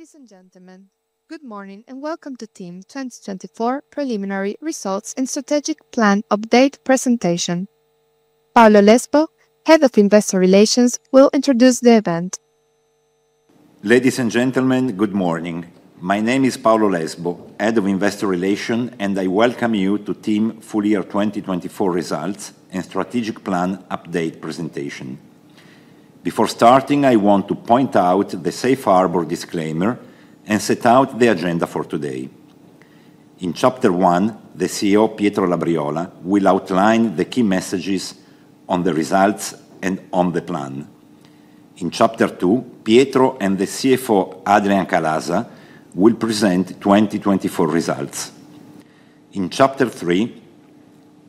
Ladies and gentlemen, good morning and welcome to TIM 2024 Preliminary Results and Strategic Plan Update Presentation. Paolo Lesbo, Head of Investor Relations, will introduce the event. Ladies and gentlemen, good morning. My name is Paolo Lesbo, Head of Investor Relations and I welcome you to TIM full year 2024 results and Strategic Plan Update Presentation. Before starting, I want to point out the Safe Harbor disclaimer and set out the agenda for today. In chapter one, the CEO Pietro Labriola will outline the key messages on the results and on the plan. In chapter two, Pietro and the CFO Adrian Calaza will present 2024 results. In chapter three,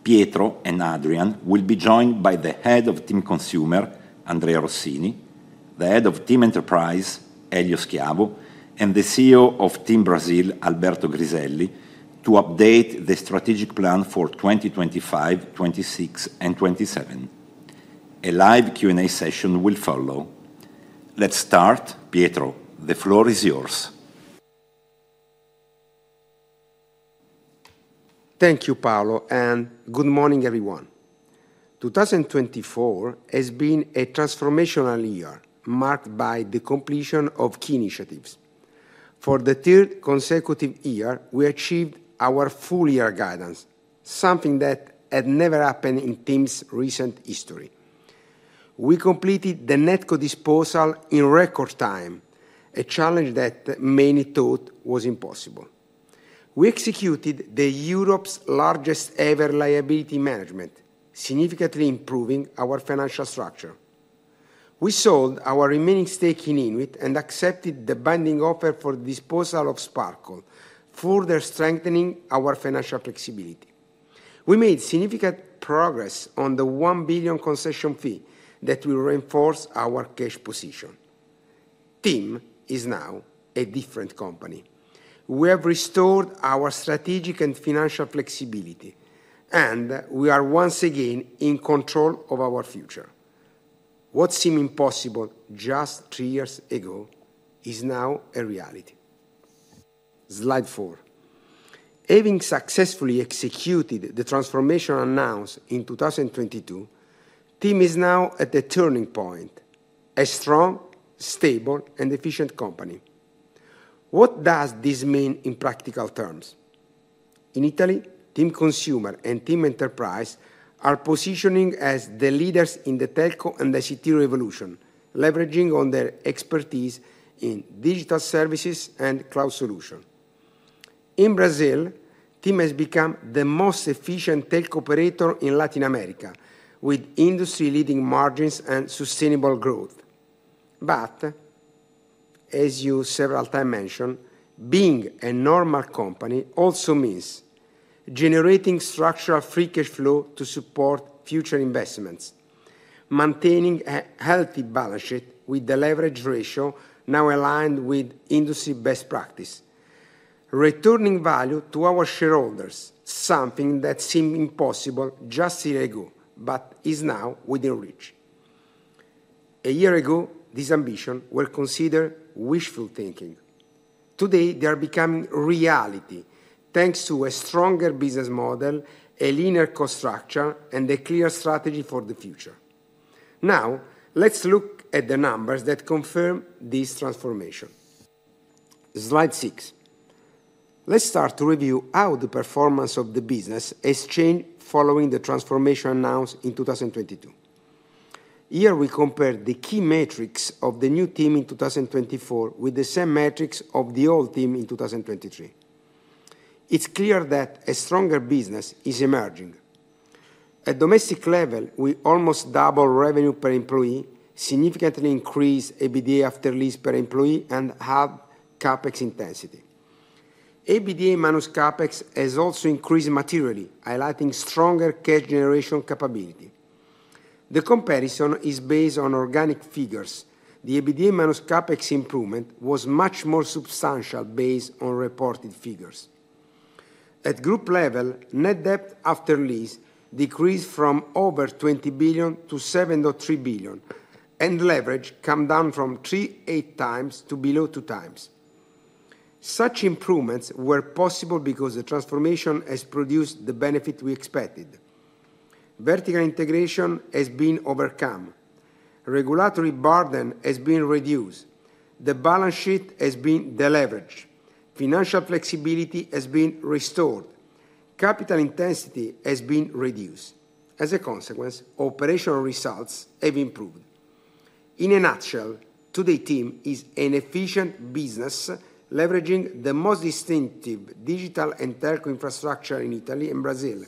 Pietro and Adrian will be joined by the Head of TIM Consumer, Andrea Rossini, the Head of TIM Enterprise, Elio Schiavo and the CEO of TIM Brasil, Alberto Griselli to update the strategic plan for 2025, 2026 and 2027. A live Q&A session will follow. Let's start. Pietro, the floor is yours. Thank you, Paolo, and good morning, everyone. 2024 has been a transformational year marked by the completion of key initiatives. For the third consecutive year, we achieved our full-year guidance, something that had never happened in TIM's recent history. We completed the NetCo disposal in record time, a challenge that many thought was impossible. We executed Europe's largest-ever liability management, significantly improving our financial structure. We sold our remaining stake in INWIT and accepted the binding offer for the disposal of Sparkle, further strengthening our financial flexibility. We made significant progress on the $1 billion concession fee that will reinforce our cash position. TIM is now a different company. We have restored our strategic and financial flexibility, and we are once again in control of our future. What seemed impossible just three years ago is now a reality. Slide 4. Having successfully executed the transformation announced in 2022, TIM is now at the turning point. A strong, stable and efficient company. What does this mean in practical terms? In Italy, TIM Consumer and TIM Enterprise are positioning as the leaders in the telco and ICT revolution, leveraging on their expertise in digital services and cloud solutions. In Brazil, TIM has become the most efficient telco operator in Latin America with industry leading margins and sustainable growth. But as you several times mentioned, being a normal company also means generating structural free cash flow to support future investments, maintaining a healthy balance sheet with the leverage ratio now aligned with industry best practices, returning value to our shareholders. Something that seemed impossible just a year ago, but is now within reach. A year ago these ambitions were considered wishful thinking. Today they are becoming reality thanks to a stronger business model, a leaner cost structure and a clear strategy for the future. Now let's look at the numbers that confirm this transformation. Slide 6, let's start to review how the performance of the business has changed following the transformation announced in 2022. Here we compared the key metrics of the new TIM in 2024 with the same metrics of the old TIM in 2023. It's clear that a stronger business is emerging. At domestic level, we almost double revenue per employee, significantly increased EBITDA after lease per employee and half CapEx intensity. EBITDA minus CapEx has also increased materially, highlighting stronger cash generation capability. The comparison is based on organic figures. The EBITDA minus CapEx improvement was much more substantial based on reported figures at group level, net debt after lease decreased from over 20 billion to 7.3 billion and leverage came down from 3.8x to below 2x. Such improvements were possible because the transformation has produced the benefit we expected. Vertical integration has been overcome, regulatory burden has been reduced, the balance sheet has been deleveraged, financial flexibility has been restored, capital intensity has been reduced. As a consequence, operational results have improved. In a nutshell, today TIM is an efficient business leveraging the most distinctive digital and telco infrastructure in Italy and Brazil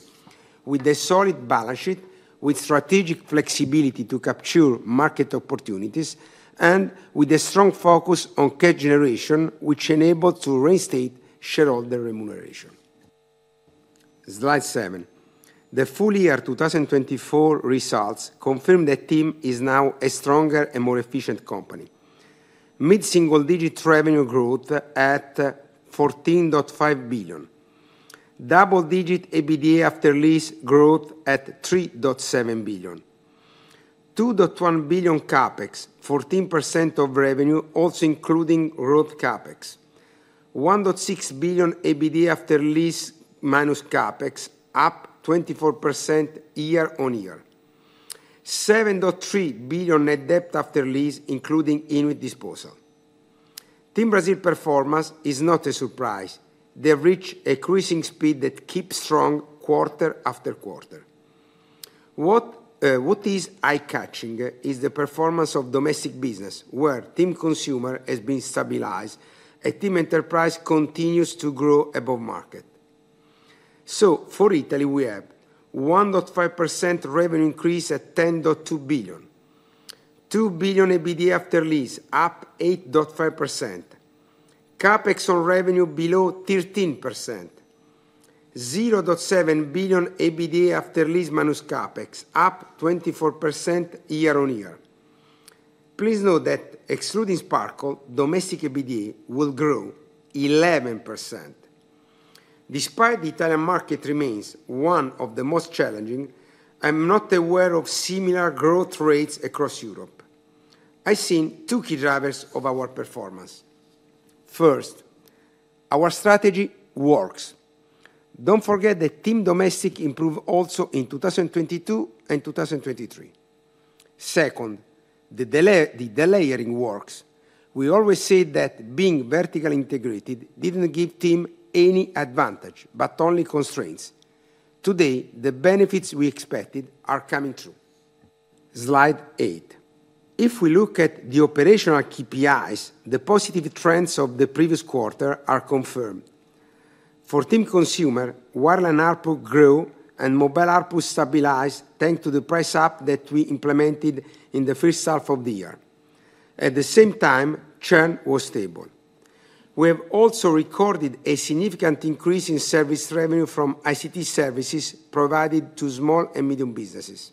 with a solid balance sheet with strategic flexibility to capture market opportunities and with a strong focus on cash generation which enabled to reinstate shareholder remuneration. Slide 7 the full year 2024 results confirm that TIM is now a stronger and more efficient company. Mid single digit revenue growth at 14.5 billion, double digit EBITDA after lease growth at 3.7 billion, 2.1 billion CapEx, 14% of revenue, also including ROU CapEx, 1.6 billion EBITDA after lease minus CapEx up year-on-year, eur 7.3 billion net debt after lease including INWIT disposal. TIM Brasil performance is not a surprise. They have reached increasing speed that keeps strong quite quarter after quarter. What is eye catching is the performance of domestic business where TIM Consumer has been stabilized. TIM Enterprise continues to grow above market. So for Italy we have 1.5% revenue increase at 10.2 billion. 2 billion EBITDA after lease up 8.5%, CapEx on revenue below 13%, EUR 0.7 billion EBITDA after lease minus CapEx up 24% year-on-year. Please note that excluding Sparkle, domestic EBITDA will grow 11% despite the Italian market remains one of the most challenging. I am not aware of similar growth rates across Europe. I have seen two key drivers of our performance. First, our strategy works. Don't forget that TIM Consumer improved also in 2022 and 2023. Second, the delayering works. We always say that being vertically integrated didn't give TIM any advantage but only constraints. Today, the benefits we expected are coming true. If we look at the operational KPIs, the positive trends of the previous quarter are confirmed. For TIM Consumer, wireless output grew and mobile output stabilized thanks to the price up that we implemented in the first half of the year. At the same time churn was stable, we have also recorded a significant increase in service revenue from ICT services provided to small and medium businesses.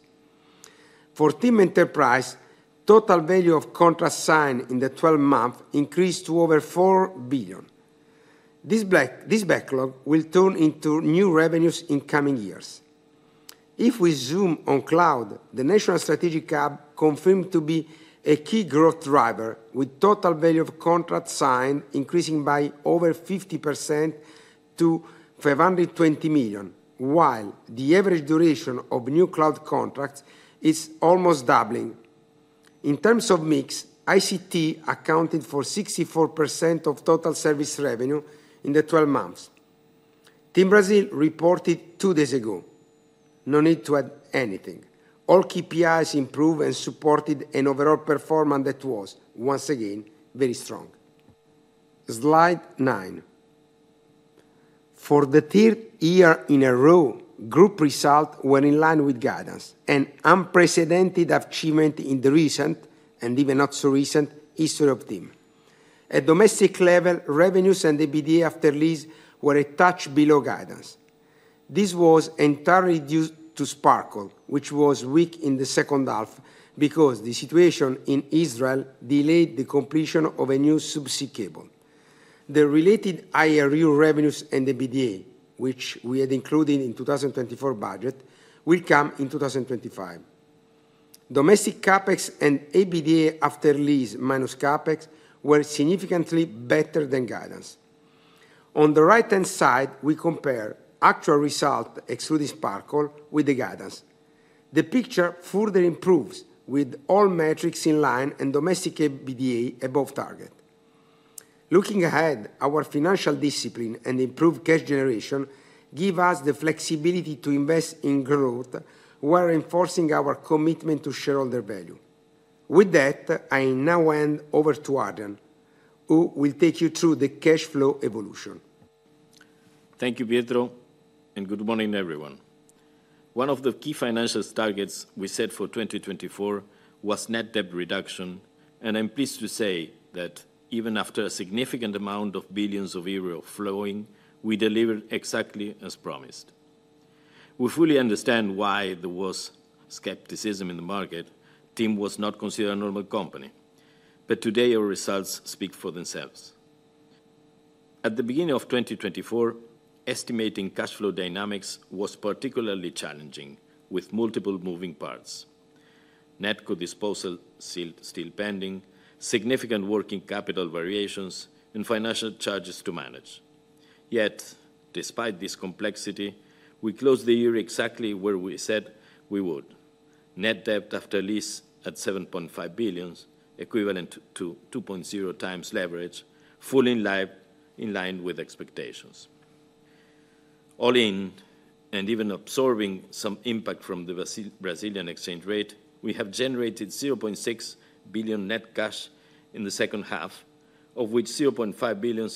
For TIM Enterprise, total value of contracts signed in the 12 months increased to over 4 billion. This backlog will turn into new revenues in coming years if we zoom on cloud, the National Strategic Hub confirmed to be a key growth driver, with total value of contracts signed increasing by over 50% to 520 million, while the average duration of new cloud contracts is almost doubling. In terms of mix, ICT accounted for 64% of total service revenue in the 12 months, TIM Brasil reported two days ago. No need to add anything. All KPIs improved and supported an overall performance that was once again very strong. Slide 9. For the third year in a row, group results were in line with guidance, an unprecedented achievement in the recent and even not so recent history of TIM at domestic level, revenues and EBITDA After Lease were a touch below guidance. This was entirely due to Sparkle which was weak in the second half because the situation in Israel delayed the completion of a new subsea cable. The related IRU revenues and EBITDA which we had included in 2024 budget will come in 2025. Domestic CapEx and EBITDA after lease minus CapEx were significantly better than guidance. On the right hand side, we compare actual result excluding Sparkle with the guidance. The picture further improves with all metrics in line and domestic EBITDA above target. Looking ahead, our financial discipline and improved cash generation give us the flexibility to invest in growth while reinforcing our commitment to shareholder value. With that, I now hand over to Adrian who will take you through the cash flow evolution. Thank you Pietro and good morning everyone. One of the key financial targets we set for 2024 was net debt reduction and I'm pleased to say that even after a significant amount of billions of euros flowing, we delivered exactly as promised. We fully understand why there was skepticism in the market. TIM was not considered a normal company, but today our results speak for themselves. At the beginning of 2024, estimating cash flow dynamics was particularly challenging with multiple moving parts. NetCo disposal still pending significant working capital variations and financial charges to manage. Yet despite this complexity, we closed the year exactly where we said we would. Net debt after lease at 7.5 billion equivalent to 2.0 times leverage, fully in line with expectations. All in and even absorbing some impact from the Brazilian exchange rate, we have generated 0.6 billion net cash in the second half, of which 0.5 billion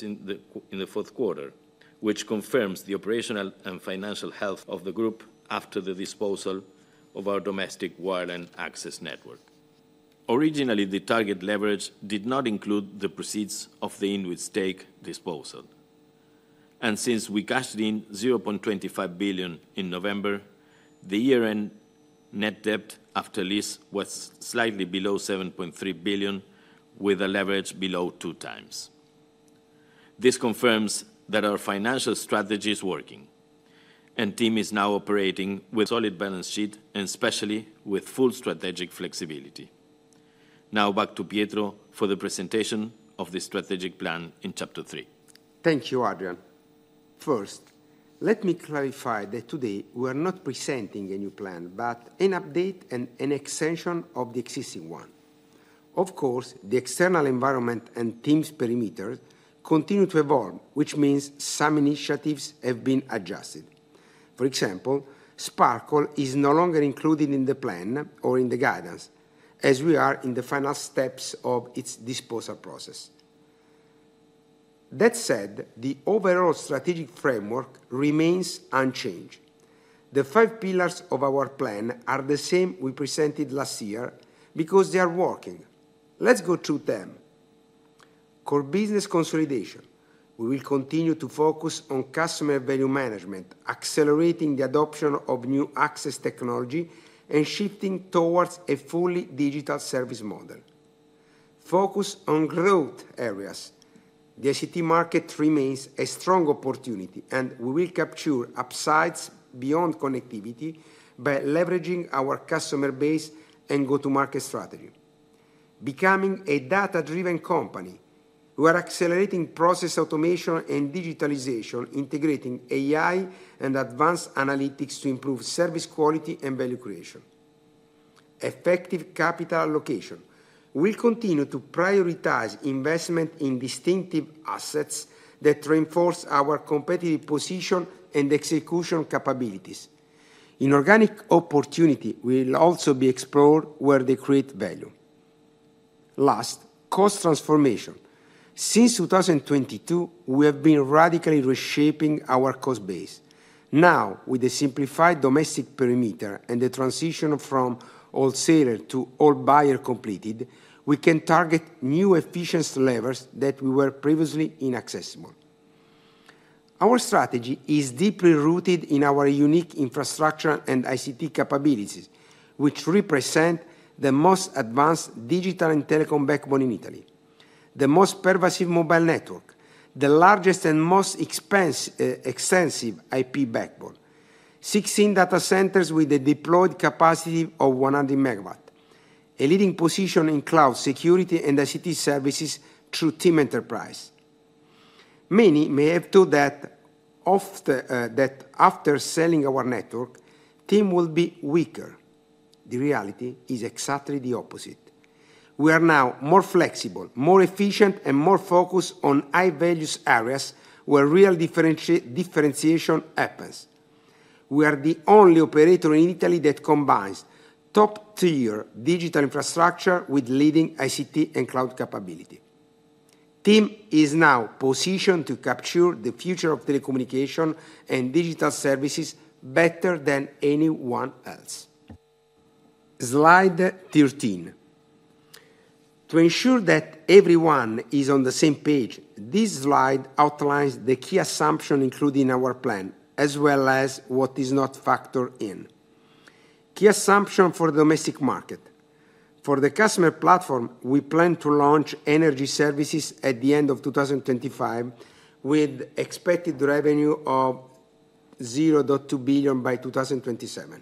in the fourth quarter, which confirms the operational and financial health of the group after the disposal of our domestic wireless access network. Originally, the target leverage did not include the proceeds of the INWIT stake disposal and since we cashed in 0.25 billion in November, the year-end, net debt after lease was slightly below 7.3 billion with a leverage below 2 times. This confirms that our financial strategy is working and TIM is now operating with solid balance sheet and especially with full strategic flexibility. Now back to Pietro for the presentation of the strategic plan in chapter three. Thank you, Adrian. First let me clarify that today we are not presenting a new plan but an update and an extension of the existing one. Of course, the external environment and TIM's perimeters continue to evolve, which means some initiatives have been adjusted. For example, Sparkle is no longer included in the plan or in the guidance as we are in the final steps of its disposal process. That said, the overall strategic framework remains unchanged. The five pillars of our plan are the same we presented last year. Because they are working, let's go through them. Core Business Consolidation. We will continue to focus on customer value management, accelerating the adoption of new access technology and shifting towards a fully digital service model. Focus on growth areas. The ICT market remains a strong opportunity, and we will capture upsides beyond connectivity by leveraging our customer base and go-to-market strategy. Becoming a data-driven company, we are accelerating process automation and digitalization, integrating AI and advanced analytics to improve service quality and value creation. Effective capital allocation. We continue to prioritize investment in distinctive assets that reinforce our competitive position and execution capabilities. Inorganic opportunities will also be explored where they create value. Last, cost transformation. Since 2022, we have been radically reshaping our cost base. Now, with a simplified domestic perimeter and the transition from wholesaler to whole buyer completed, we can target new efficiency levers that were previously inaccessible. Our strategy is deeply rooted in our unique infrastructure and ICT capabilities which represent the most advanced digital and telecom backbone in Italy, the most pervasive mobile network, the largest and most extensive IP backbone, 16 data centers with a deployed capacity of 100 megawatts, a leading position in cloud security and ICT services through TIM Enterprise. Many may have thought that after selling our network TIM will be weaker. The reality is exactly the opposite. We are now more flexible, more efficient and more focused on high value areas where real differentiation happens. We are the only operator in Italy that combines top tier digital infrastructure with leading ICT and cloud capability. TIM is now positioned to capture the future of telecommunication and digital services better than anyone else. Slide 13, to ensure that everyone is on the same page. This slide outlines the key assumptions included in our plan as well as what is not factored in. Key Assumptions for the domestic market. For the customer platform, we plan to launch energy services at the end of 2025 with expected revenue of 0.2 billion by 2027.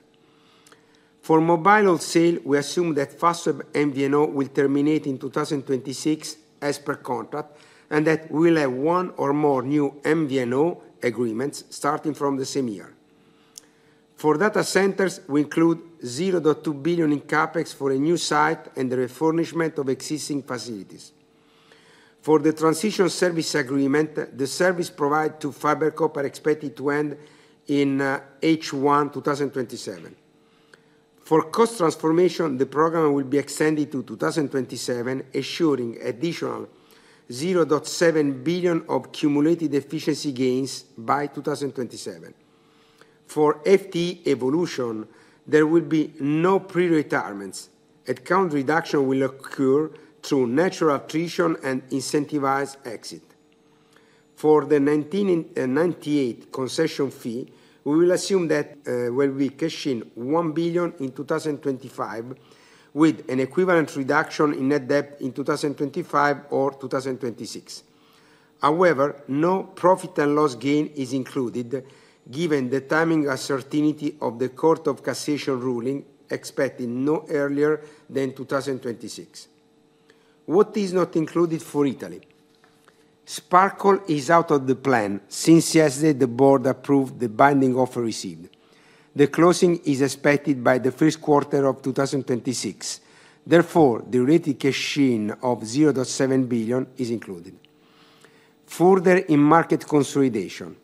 For mobile sales, we assume that Fastweb MVNO will terminate in 2026 as per contract and that we will have one or more new MVNO agreements starting from the same year. For data centers, we include 0.2 billion in CapEx for a new site and the refurbishment of existing facilities for the transition service agreement. The service provided to FiberCop are expected to end in H1 2027. For cost transformation, the program will be extended to 2027, assuring additional 0.7 billion of cumulated efficiency gains by 2027. For FTE evolution, there will be no pre-retirements. Account reduction will occur through natural attrition and incentivized exit. For the 1998 concession fee, we will assume that will be cash in 1 billion in 2025 with an equivalent reduction in net debt in 2025 or 2026. However, no profit and loss gain is included given the timing uncertainty of the Court of Cassation ruling expected no earlier than 2026. What is not included for Italy. Sparkle is out of the plan since yesterday the board approved the binding offer received. The closing is expected by the first quarter of 2026. Therefore, the deconsolidation of 0.7 billion is included further in market consolidation.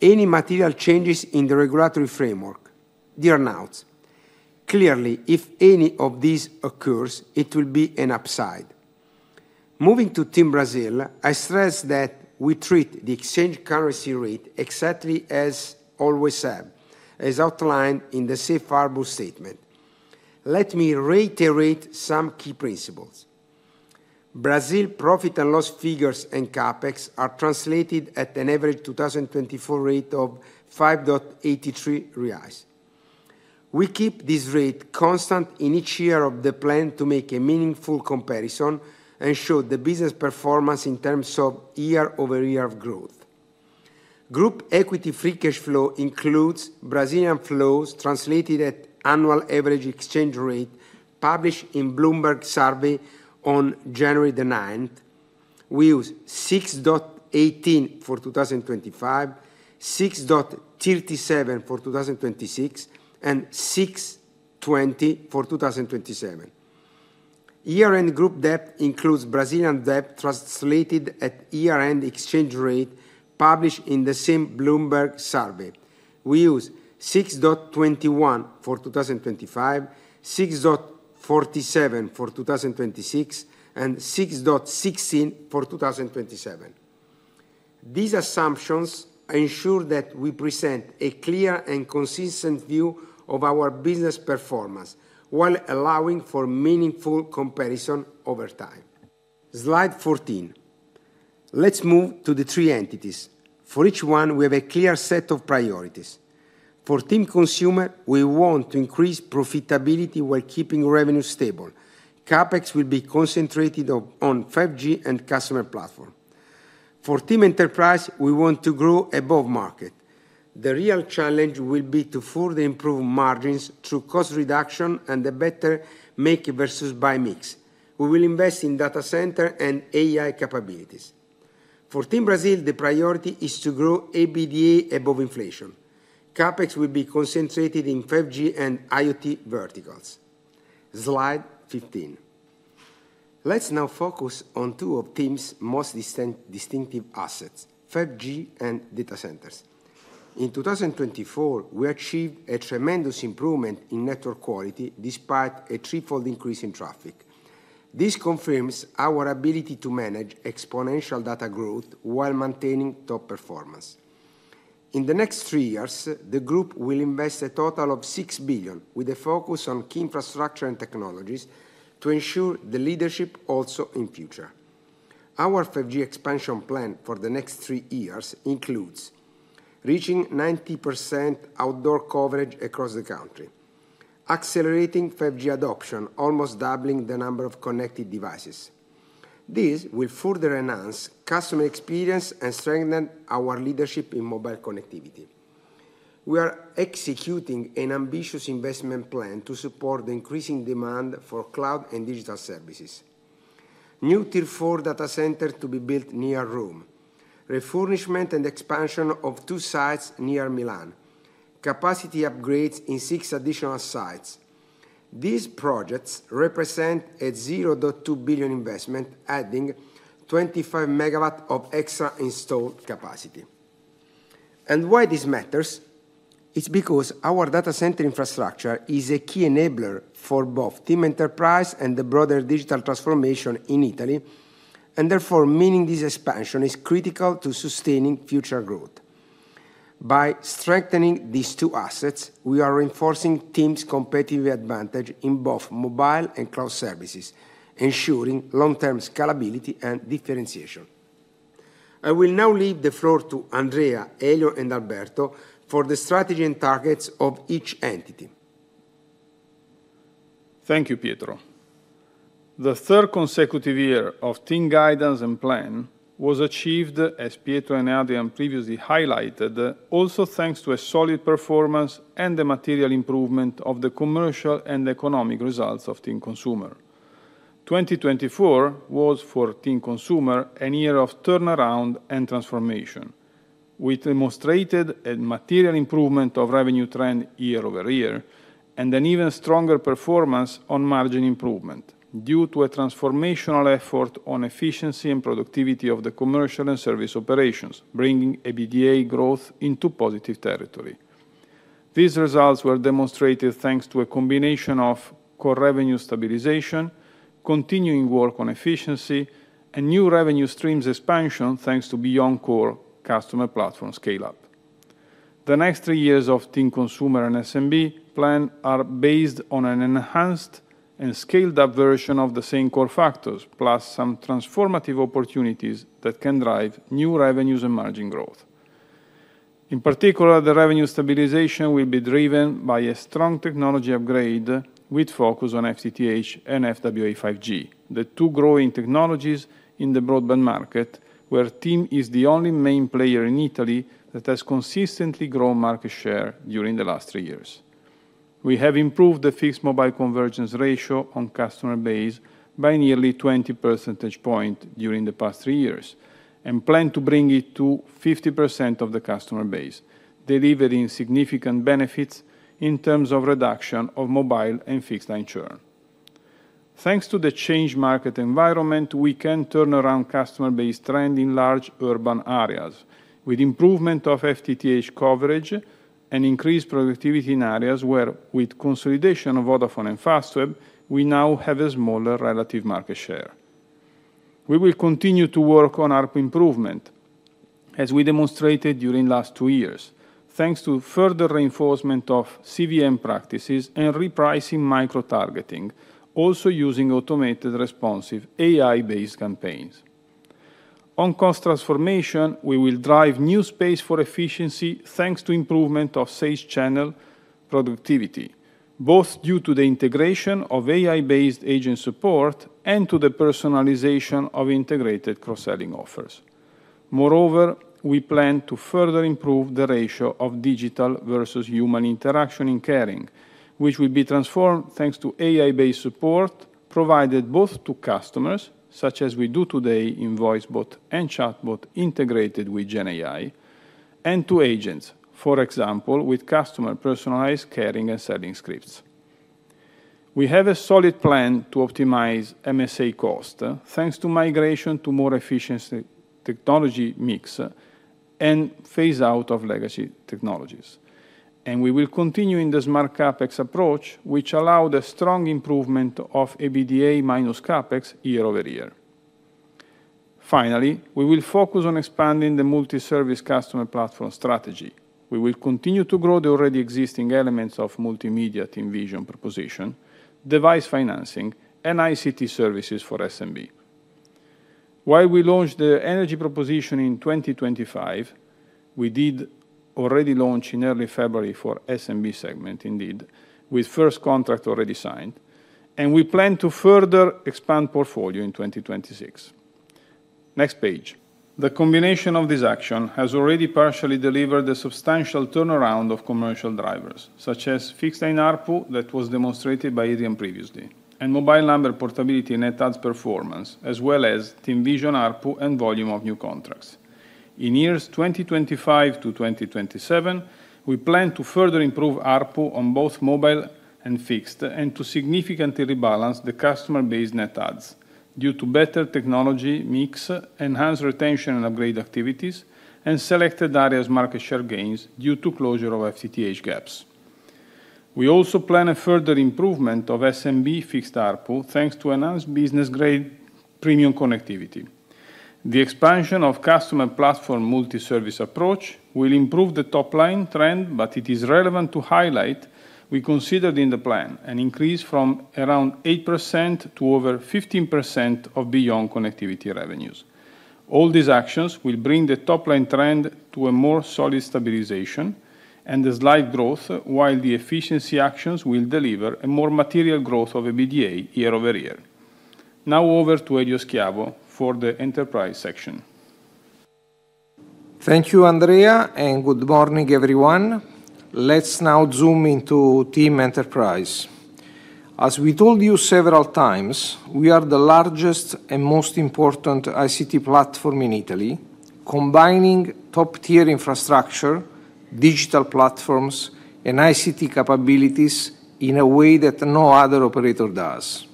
Any material changes in the regulatory framework in notes, clearly if any of this occurs it will be an upside. Moving to TIM Brasil, I stress that we treat the exchange currency rate exactly as always have as outlined in the Safe Harbor Statement. Let me reiterate some key principles. Brazil profit and loss figures and CapEx are translated at an average 2024 rate of 5.83 reais. We keep this rate constant in each year of the plan to make a meaningful comparison and show the business performance in terms of year-over-year. Group Equity Free Cash Flow includes Brazilian flows translated at annual average exchange rate published in Bloomberg survey on January 9, we use 6.18 for 2025, 6.37 for 2026 and 6.20 for 2027. Year-end group debt includes Brazilian debt translated at year-end exchange rate published in the same Bloomberg survey, we use 6.21 for 2025, 6.47 for 2026 and 6.16 for 2027. These assumptions ensure that we present a clear and consistent view of our business performance while allowing for meaningful comparison over time. Slide 14. Let's move to the three entities. For each one we have a clear set of priorities for TIM Consumer. We want to increase profitability while keeping revenues stable. CapEx will be concentrated on 5G and Customer Platform. For TIM Enterprise, we want to grow above market. The real challenge will be to further improve margins through cost reduction and the better make versus buy mix. We will invest in data center and AI capabilities. For TIM Brasil, the priority is to grow EBITDA above inflation. CapEx will be concentrated in 5G and IoT verticals. Slide 15. Let's now focus on two of TIM's most distinctive assets, 5G and data centers. In 2024 we achieved a tremendous improvement in network quality despite a threefold increase in traffic. This confirms our ability to manage exponential data growth while maintaining top performance. In the next three years the group will invest a total of 6 billion with a focus on key infrastructure and technologies to ensure the leadership also in future. Our 5G expansion plan for the next three years, reaching 90% outdoor coverage across the country, accelerating 5G adoption, almost doubling the number of connected devices. This will further enhance customer experience and strengthen our leadership in mobile connectivity. We are executing an ambitious investment plan to support the increasing demand for cloud and digital services. New Tier 4 data center to be built near Rome, refurbishment and expansion of two sites near Milan, capacity upgrades in six additional sites. These projects represent a 0.2 billion investment, adding 25 megawatts of extra installed capacity. And why this matters? It's because our data center infrastructure is a key enabler for both TIM Enterprise and the broader digital transformation in Italy and therefore meaning this expansion is critical to sustaining future growth. By strengthening these two assets, we are reinforcing TIM's competitive advantage in both mobile and cloud services, ensuring long-term scalability and differentiation. I will now leave the floor to Andrea, Elio, and Alberto for the strategy and targets of each entity. Thank you Pietro. The third consecutive year of TIM guidance and plan was achieved as Pietro and Adrian previously highlighted, also thanks to a solid performance and the material improvement of the commercial and economic results of TIM Consumer. 2024 was for TIM Consumer an era of turnaround and transformation. We demonstrated a material improvement of revenue trend year-over-year and an even stronger performance on margin improvement due to a transformational effort on efficiency and productivity of the commercial and service operations, bringing EBITDA growth into positive territory. These results were demonstrated thanks to a combination of core revenue stabilization, continuing work on efficiency and new revenue streams expansion thanks to beyond core customer platform scale up. The next three years of TIM Consumer and SMB plan are based on an enhanced and scaled up version of the same core factors plus some transformative opportunities that can drive new revenues and margin growth. In particular, the revenue stabilization will be driven by a strong technology upgrade with focus on FTTH and FWA 5G, the two growing technologies in the broadband market where TIM is the only main player in Italy that has consistently grown market share during the last three years. We have improved the fixed mobile convergence ratio on customer base by nearly 20 percentage points during the past three years and plan to bring it to 50% of the customer base delivering significant benefits in terms of reduction of mobile and fixed line churn. Thanks to the changed market environment, we can turn around customer base trend in large urban areas with improvement of FTTH coverage and increased productivity in areas where with consolidation of Vodafone and Fastweb we now have a smaller relative market share. We will continue to work on ARPU improvement as we demonstrated during last two years thanks to further reinforcement of CVM practices and repricing micro targeting, also using automated responsive AI based campaigns. On cost transformation, we will drive new space for efficiency thanks to improvement of sales channel productivity both due to the integration of AI-based agent support and to the personalization of integrated cross-selling offers. Moreover, we plan to further improve the ratio of digital versus human interaction in caring which will be transformed thanks to AI-based support provided both to customers such as we do today in voicebot and chatbot integrated with GenAI and to agents for example with customer personalized caring and selling scripts. We have a solid plan to optimize MSA cost thanks to migration to more efficient technology mix and phase out of legacy technologies and we will continue in the Smart CapEx approach which allowed a strong improvement of EBITDA minus CapEx year-over-year. Finally, we will focus on expanding the multi-service customer platform strategy. We will continue to grow the already existing elements of Multimedia TIMVISION proposition, device financing and ICT services for SMB. While we launched the energy proposition in 2025, we did already launch in early February for SMB segment. Indeed with first contract already signed and we plan to further expand portfolio in 2026. Next Page the combination of this action has already partially delivered a substantial turnaround of commercial drivers such as Fixed Line ARPU that was demonstrated by Adrian previously and mobile Net adds performance as well as TIMVISION, ARPU and volume of new contracts in years 2025 to 2027 we plan to further improve ARPU on both mobile and fixed and to significantly rebalance the Net adds due to better technology mix, enhanced retention and upgrade activities and selected areas market share gains due to closure of FTTH gaps. We also plan a further improvement of SMB fixed ARPU thanks to enhanced business grade premium connectivity. The expansion of Customer Platform multi service approach will improve the top line trend, but it is relevant to highlight we considered in the plan an increase from around 8% to over 15% of beyond connectivity revenues. All these actions will bring the top line trend to a more solid stabilization and a slight growth while the efficiency actions will deliver a more material growth of EBITDA year-over-year. Now over to Elio Schiavo for the Enterprise section. Thank you Andrea and good morning everyone. Let's now zoom into TIM Enterprise. As we told you several times, we are the largest and most important ICT platform in Italy, combining top-tier infrastructure, digital platforms and ICT capabilities in a way that no other operator does.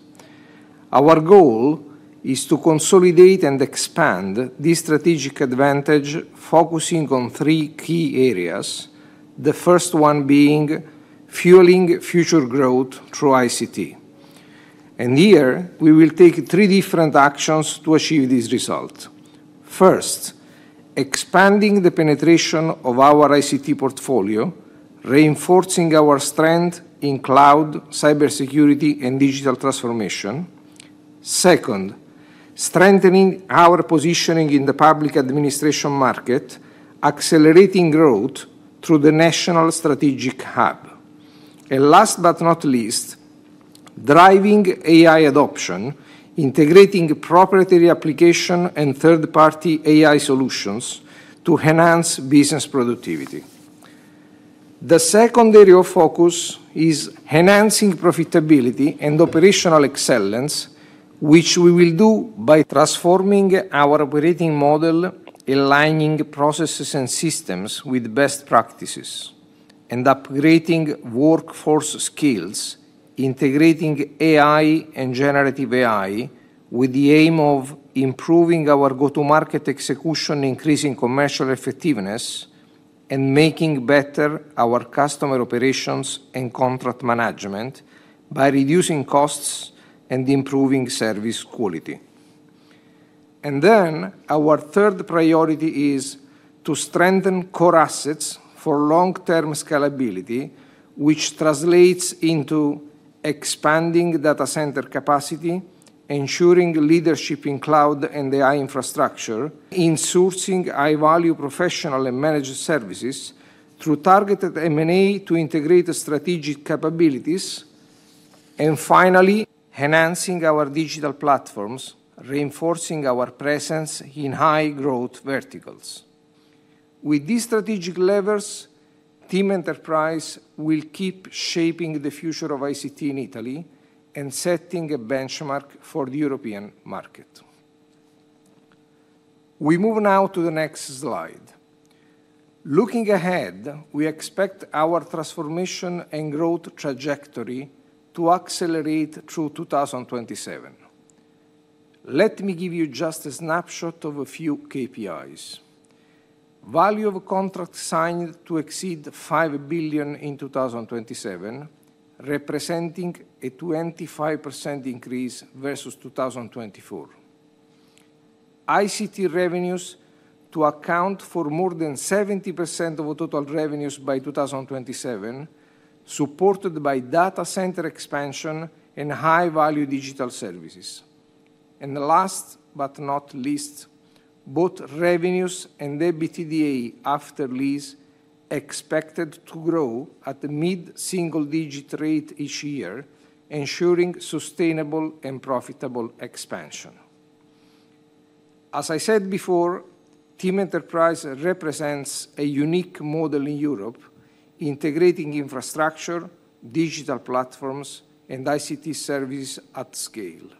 Our goal is to consolidate and expand this strategic advantage by focusing on three key areas, the first one being fueling future growth through ICT. Here we will take three different actions to achieve this result. First, expanding the penetration of our ICT portfolio, reinforcing our strength in cloud, cybersecurity and digital transformation. Second, strengthening our positioning in the public administration market, accelerating growth through the National Strategic Hub and last but not least, driving AI adoption, integrating proprietary application and third-party AI solutions to enhance business productivity. The second area of focus is enhancing profitability and operational excellence which we will do by transforming our operating model, aligning processes and systems with best practices and upgrading workforce skills, integrating AI and generative AI with the aim of improving our go-to-market execution, increasing commercial effectiveness and making better our customer operations and contract management by reducing costs and improving service quality and then our third priority is to strengthen core assets for long-term scalability which translates into expanding data center capacity, ensuring leadership in cloud and AI infrastructure and sourcing high-value professional and managed services through targeted M&A to integrate strategic capabilities and finally enhancing our digital platforms, reinforcing our presence in high-growth verticals. With these strategic levers, TIM Enterprise will keep shaping the future of ICT in Italy and setting a benchmark for the European market. We move now to the next slide. Looking ahead, we expect our transformation and growth trajectory to accelerate through 2027. Let me give you just a snapshot of a few KPIs. Value of contract signed to exceed 5 billion in 2027 representing a 25% increase versus 2024. ICT revenues to account for more than 70% of total revenues by 2027 supported by data center expansion and high value digital services. And last but not least, both revenues and EBITDA after lease expected to grow at the mid single digit rate each year, ensuring sustainable and profitable expansion. As I said before, TIM Enterprise represents a unique model in Europe integrating infrastructure, digital platforms and ICT services at scale.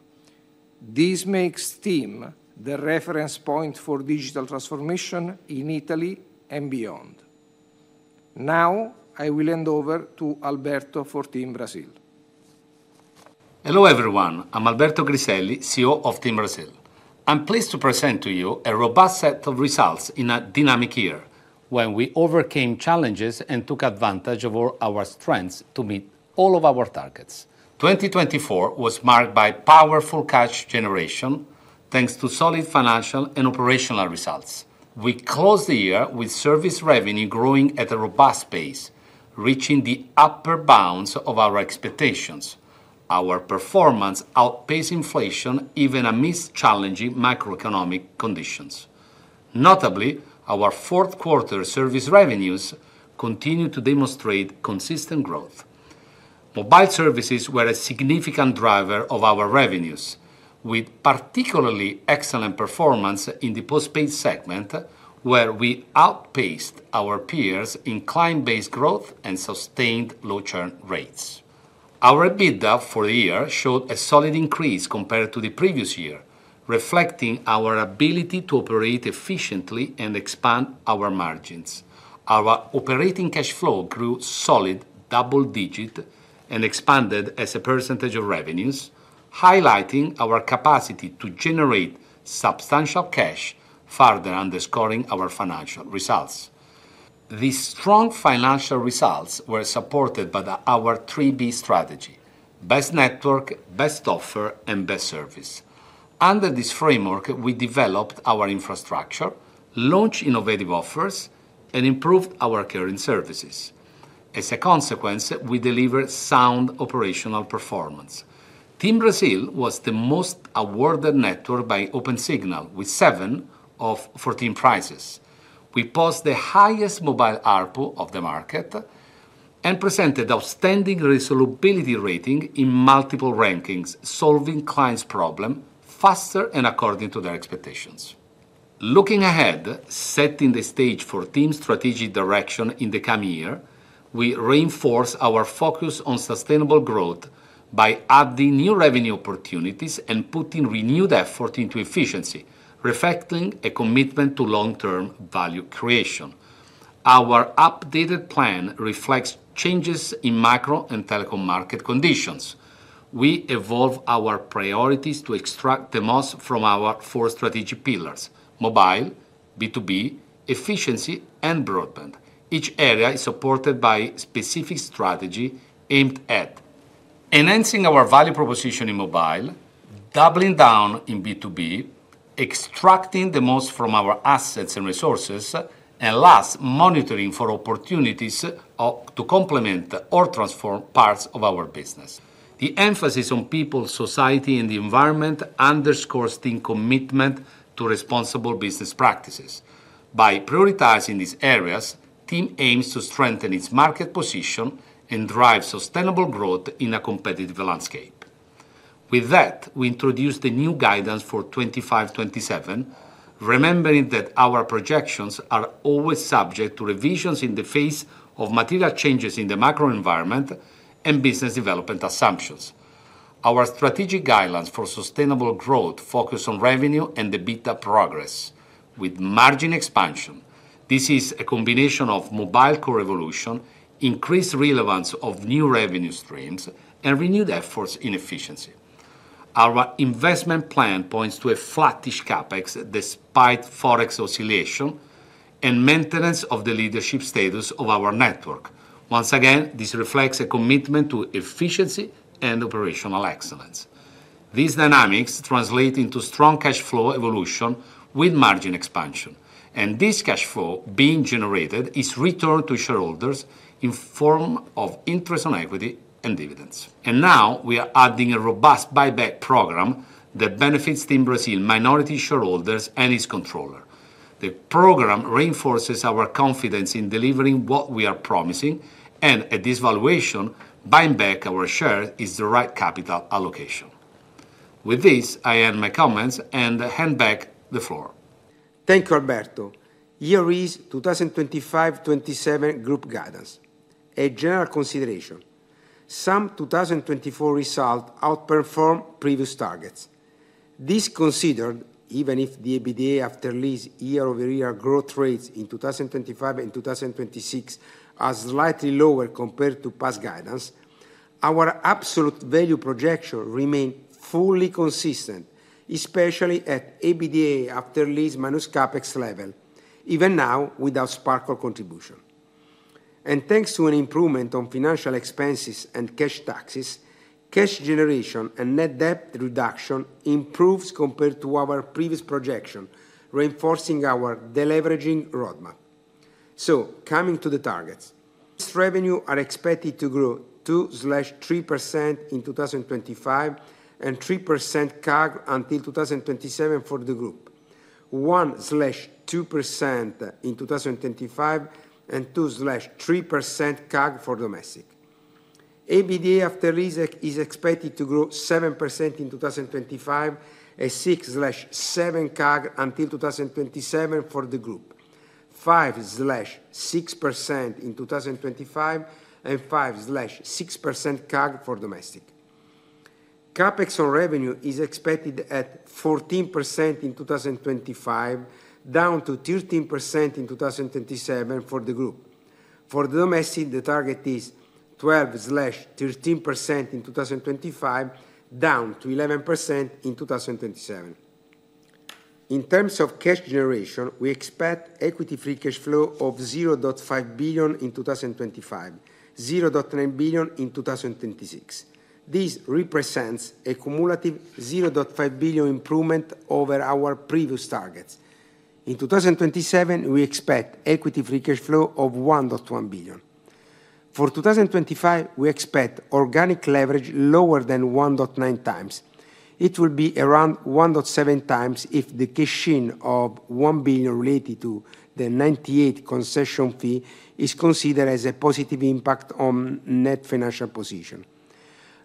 This makes TIM the reference point for digital transformation in Italy and beyond. Now I will hand over to Alberto for TIM Brasil. Hello everyone, I'm Alberto Griselli, CEO of TIM Brasil. I'm pleased to present to you a robust set of results in a dynamic year when we overcame challenges and took advantage of our strengths to meet all of our targets. 2024 was marked by powerful cash generation thanks to solid financial and operational results. We closed the year with service revenue growing at a robust pace, reaching the upper bounds of our expectations. Our performance outpaced inflation even amidst challenging macroeconomic conditions. Notably, our fourth quarter service revenues continue to demonstrate consistent growth. Mobile services were a significant driver of our revenues with particularly excellent performance in the postpaid segment where we outpaced our peers in client-based growth and sustained low churn rates. Our EBITDA for the year showed a solid increase compared to the previous year, reflecting our ability to operate efficiently and expand our margins. Our operating cash flow grew solid double-digit and expanded as a percentage of revenues, highlighting our capacity to generate substantial cash, further underscoring our financial results. These strong financial results were supported by our 3B strategy, Best Network, Best Offer and Best Service. Under this framework, we developed our infrastructure, launched innovative offers and improved our current services. As a consequence, we delivered sound operational performance. TIM Brasil was the most awarded network by Opensignal with seven of 14 prizes. We posted the highest mobile ARPU of the market and presented outstanding resolvability rating in multiple rankings, solving clients' problems faster and according to their expectations. Looking ahead, setting the stage for TIM strategic direction in the coming year, we reinforce our focus on sustainable growth by adding new revenue opportunities and putting renewed effort into efficiency, reflecting a commitment to long-term value creation. Our updated plan reflects changes in macro and telecom market conditions. We evolve our priorities to extract the most from our four strategic pillars: mobile, B2B, efficiency, and broadband. Each area is supported by specific strategy aimed at enhancing our value proposition in mobile, doubling down in B2B, extracting the most from our assets and resources, and last, monitoring for opportunities to complement or transform parts of our business. The emphasis on people, society, and the environment underscores TIM commitment to responsible business practices. By prioritizing these areas, TIM aims to strengthen its market position and drive sustainable growth in a competitive landscape. With that, we introduce the new guidance for 2025-2027, remembering that our projections are always subject to revisions in the face of material changes in the macro environment and business development assumptions. Our strategic guidelines for sustainable growth focus on revenue and EBITDA progress with margin expansion. This is a combination of mobile revolution, increased relevance of new revenue streams and renewed efforts in efficiency. Our investment plan points to a flattish CapEx despite forex oscillation and maintenance of the leadership status of our network. Once again, this reflects a commitment to efficiency and operational excellence. These dynamics translate into strong cash flow evolution with margin expansion and this cash flow being generated is returned to shareholders in form of interest on equity and dividends. And now we are adding a robust buyback program that benefits TIM Brasil, minority shareholders and its controller. The program reinforces our confidence in delivering what we are promising and at this valuation, buying back our shares is the right capital allocation. With this I end my comments and hand back the floor. Thank you, Alberto. Here is 2025-27 group guidance, a general consideration. Some 2024 results outperformed previous targets. This considered, even if the EBITDA after lease year-over-year growth rates in 2025 and 2026 are slightly lower compared to past guidance, our absolute value projection remained fully consistent, especially at EBITDA after lease minus CapEx level. Even now without Sparkle contribution and thanks to an improvement on financial expenses and cash taxes, cash generation and net debt reduction improves compared to our previous projection, reinforcing our deleveraging roadmap. Coming to the targets, revenues are expected to grow 2.3% in 2025 and 3% CAGR until 2027 for the group, 1.2% in 2025 and 2.3% CAGR for domestic. EBITDA after leases is expected to grow 7% in 2025, a 6.7% CAGR until 2027 for the group, 5.6% in 2025 and 5.6% CAGR for domestic. CapEx on revenue is expected at 14% in 2025 down to 13% in 2027 for the group. For the domestic, the target is 12%-13% in 2025, down to 11% in 2027. In terms of cash generation, we expect equity free cash flow of 0.5 billion in 2025, 0.9 billion in 2026. This represents a cumulative 0.5 billion improvement over our previous targets. In 2027, we expect equity free cash flow of 1.1 billion. For 2025, we expect organic leverage lower than 1.9 times. It will be around 1.7 times. If the cashing of 1 billion related to the 1998 concession fee is considered as a positive impact on net financial position.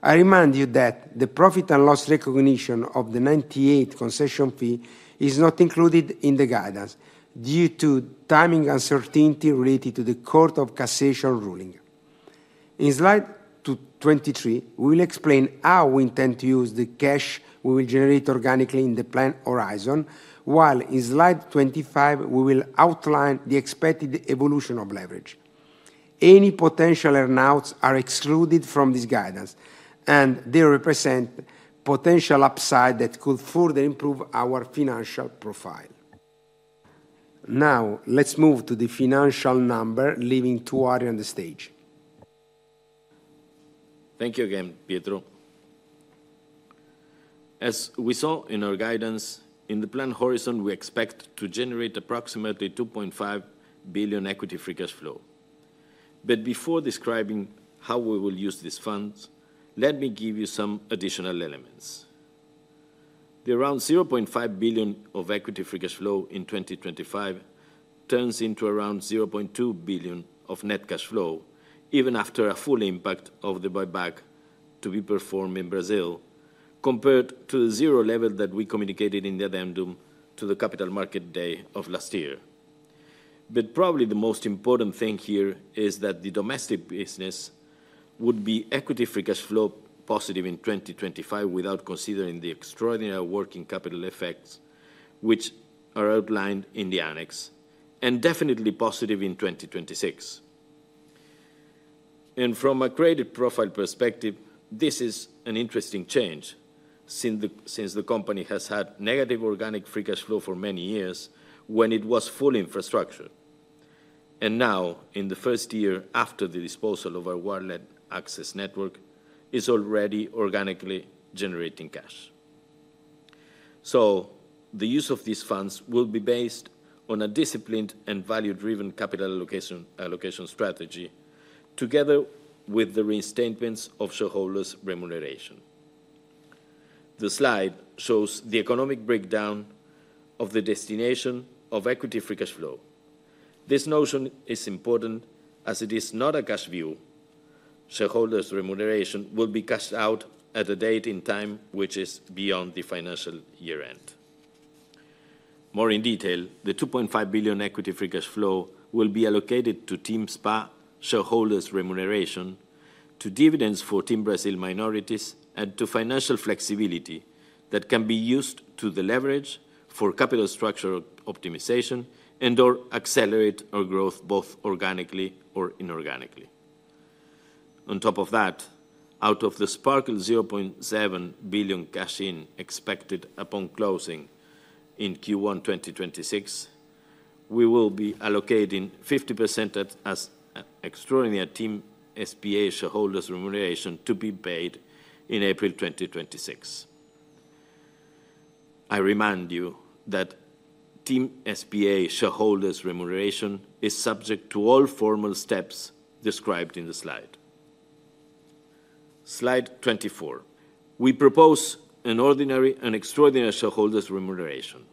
I remind you that the profit and loss recognition of the 1998 concession fee is not included in the guidance due to timing uncertainty related to the Court of Cassation ruling. In slide 23, we will explain how we intend to use the cash we will generate organically in the planned horizon, while in slide 25 we will outline the expected evolution of leverage. Any potential earnouts are excluded from this guidance and they represent potential upside that could further improve our financial profile. Now let's move to the financial number, leaving Labriola on the stage. Thank you again, Pietro. As we saw in our guidance, in the planned horizon, we expect to generate approximately 2.5 billion Equity Free Cash Flow. But before describing how we will use this fund, let me give you some additional elements. The around 0.5 billion of Equity Free Cash Flow in 2025 turns into around 0.2 billion of net cash flow even after a full impact of the buyback to be performed in Brazil compared to the zero level that we communicated in the addendum to the capital market day of last year. But probably the most important thing here is that the domestic business would be Equity Free Cash Flow positive in 2025 without considering the extraordinary working capital effects which are outlined in the annex and definitely positive in 2026. And from a credit profile perspective, this is an interesting change since the company has had negative organic free cash flow for many years when it was full infrastructure and now in the first year after the disposal of our wireless access network is already organically generating cash. So the use of these funds will be based on a disciplined and value-driven capital allocation strategy. Together with the reinstatement of shareholders' remuneration, the slide shows the economic breakdown of the destination of Equity Free Cash Flow. This notion is important as it is not a cash view. Shareholders' remuneration will be cashed out at a date in time which is beyond the financial year end. More in detail, the 2.5 billion Equity Free Cash Flow will be allocated to TIM S.p.A. shareholders remuneration to dividends for TIM Brasil minorities and to financial flexibility that can be used to deleverage for capital structure optimization and or accelerate our growth both organically or inorganically. On top of that, out of the Sparkle 0.7 billion cash in expected upon closing in Q1 2026, we will be allocating 50% at as extraordinary TIM S.p.A. shareholders remuneration to be paid in April 2026. I remind you that TIM S.p.A. shareholders remuneration is subject to all formal steps described in the slide 24 we propose an ordinary and extraordinary shareholders remuneration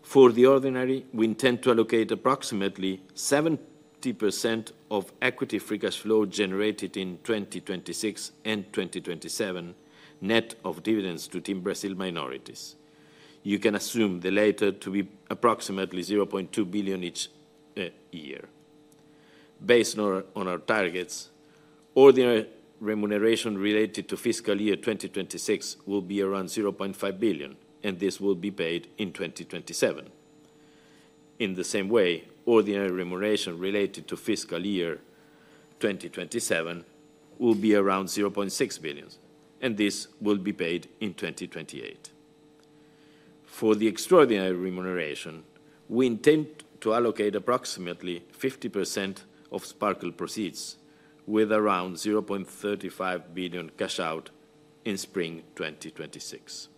for the Ordinary we intend to allocate approximately 70% of Equity Free Cash Flow generated in 2026 and 2027 net of dividends to TIM Brasil minorities. You can assume the latter to be approximately 0.2 billion each year. Based on our targets, ordinary remuneration related to fiscal year 2026 will be around 0.5 billion and this will be paid in 2027. In the same way, ordinary remuneration related to fiscal year 2027 will be around 0.6 billion and this will be paid in 2028. For the extraordinary remuneration we intend to allocate approximately 50% of Sparkle proceeds with around 0.35 billion cash out in spring 2026.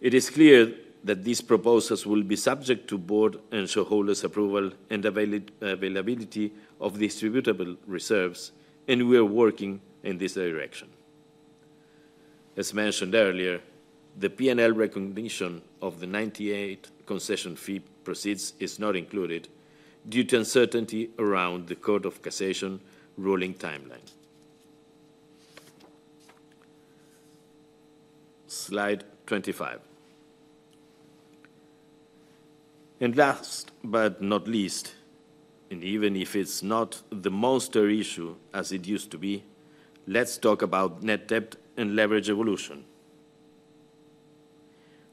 It is clear that these proposals will be subject to board and shareholders' approval and availability of distributable reserves and we are working in this direction. As mentioned earlier, the P&L recognition of the 1998 concession fee proceeds is not included due to uncertainty around the Court of Cassation ruling timeline. Slide 25 and last but not least, and even if it's not the most issue as it used to be, let's talk about net debt and leverage evolution.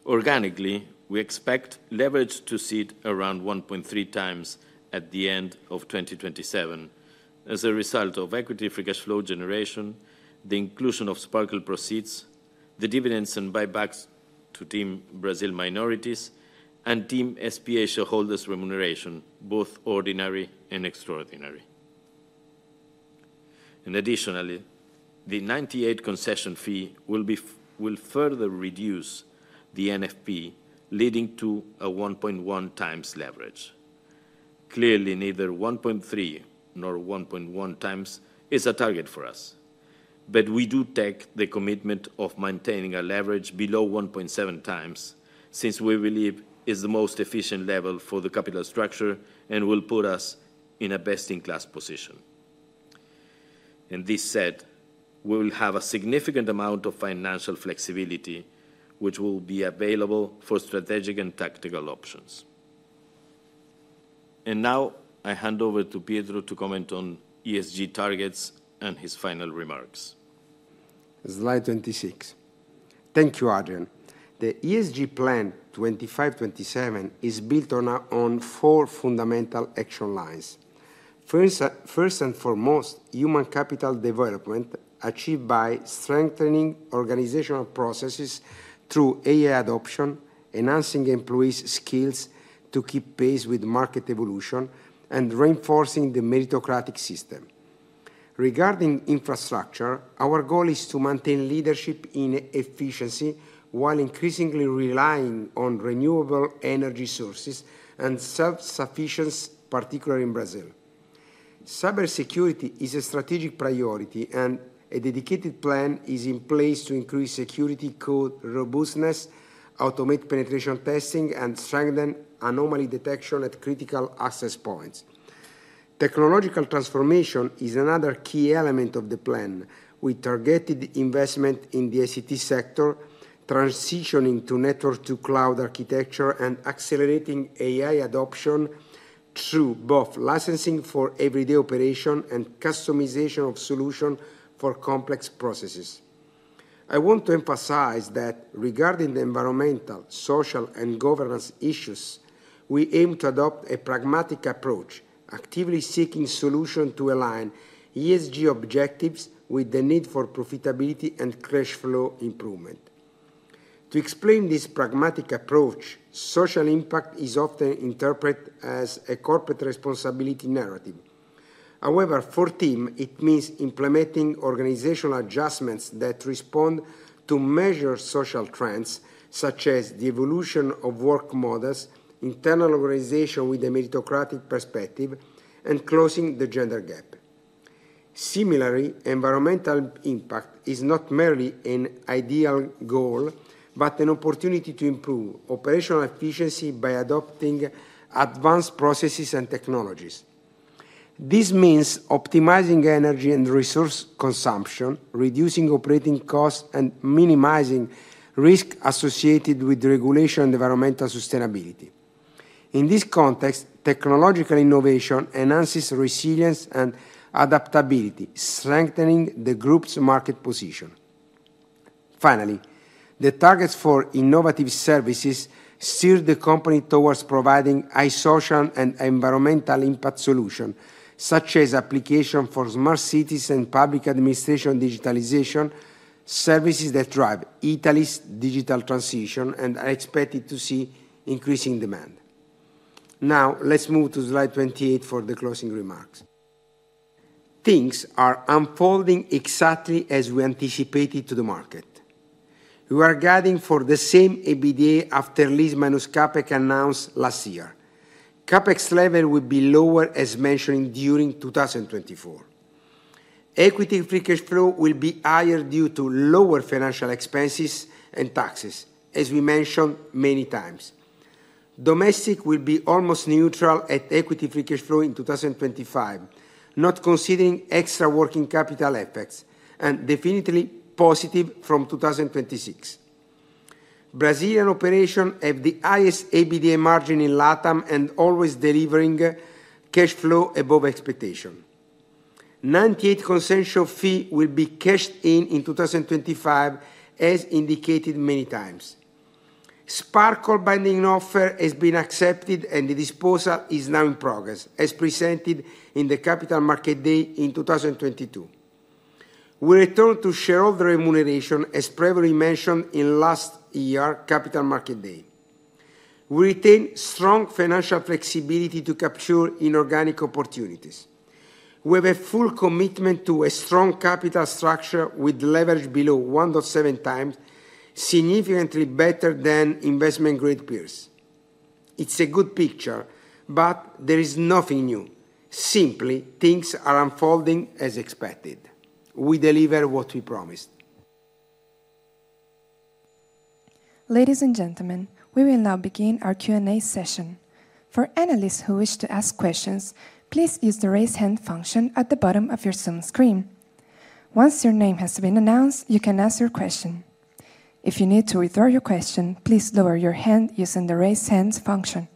Organically, we expect leverage to sit around 1.3 times at the end of 2027 as a result of Equity Free Cash Flow generation, the inclusion of Sparkle proceeds, the dividends and buybacks to TIM Brasil minorities and TIM S.p.A. shareholders remuneration, both ordinary and extraordinary, and additionally the 1998 concession fee will further reduce the NFP leading to a 1.1 times leverage. Clearly neither 1.3 nor 1.1 times is a target for us, but we do take the commitment of maintaining a leverage below 1.7 times since we believe is the most efficient level for the capital structure and will put us in a best in class position, and this said, we will have a significant amount of financial flexibility which will be available for strategic and tactical options, and now I hand over to Pietro to comment on ESG targets and his final remarks. Slide 26. Thank you, Adrian. The ESG Plan 25-27 is built on four fundamental action, first and foremost, human capital development achieved by strengthening organizational processes through AI adoption, enhancing employees skills to keep pace with market evolution and reinforcing the meritocratic system. Regarding infrastructure, our goal is to maintain leadership in efficiency while increasingly relying on renewable energy sources and self-sufficiency, particularly in Brazil. Cybersecurity is a strategic priority and a dedicated plan is in place to increase security code robustness, automate penetration testing and strengthen anomaly detection at critical access points. Technological transformation is another key element of the plan, with targeted investment in the ICT sector, transitioning to network to cloud architecture, and accelerating AI adoption through both licensing for everyday operation and customization of solutions for complex processes. I want to emphasize that regarding the environmental, social and governance issues, we aim to adopt a pragmatic approach, actively seeking solutions to align ESG objectives with the need for profitability and cash flow improvement. To explain this pragmatic approach, social impact is often interpreted as a corporate responsibility narrative. However, for TIM it means implementing organizational adjustments that respond to major social trends such as the evolution of work models, internal organization with a meritocratic perspective and closing the gender gap. Similarly, environmental impact is not merely an ideal goal, but an opportunity to improve operational efficiency by adopting advanced processes and technologies. This means optimizing energy and resource consumption, reducing operating costs and minimizing risk associated with regulation and environmental sustainability. In this context, technological innovation enhances resilience and adaptability, strengthening the group's market position. Finally, the targets for innovative services steer the company towards providing social and environmental impact solutions such as applications for smart cities and public administration digitalization services that drive Italy's digital transition and are expected to see increasing demand. Now let's move to slide 28 for the closing remarks. Things are unfolding exactly as we anticipated to the market. We are guiding for the same EBITDA After Lease minus CapEx announced last year. CapEx level will be lower. As mentioned, during 2024 Equity Free Cash Flow will be higher due to lower financial expenses and taxes. As we mentioned many times, domestic will be almost neutral at equity free cash flow in 2025 not considering extra working capital effects and definitely positive from 2026. Brazilian operations have the highest EBITDA margin in Latam and always delivering cash flow above expectation. 1998 concession fee will be cashed in in 2025 as indicated many times. Sparkle binding offer has been accepted and the disposal is now in progress. As presented in the Capital Market Day in 2022, we return to shareholder remuneration. As previously mentioned in last year Capital Market Day, we retain strong financial flexibility to capture inorganic opportunities. We have a full commitment to a strong capital structure with leverage below 1.7 times, significantly better than investment grade peers. It's a good picture, but there is nothing new. Simply, things are unfolding as expected. We deliver what we promised. Ladies and gentlemen, we will now begin our Q&A session. For analysts who wish to ask questions, please use the raise hand function at the bottom of your Zoom screen. Once your name has been announced, you can ask your question. If you need to withdraw your question, please lower your hand using the raise hands function.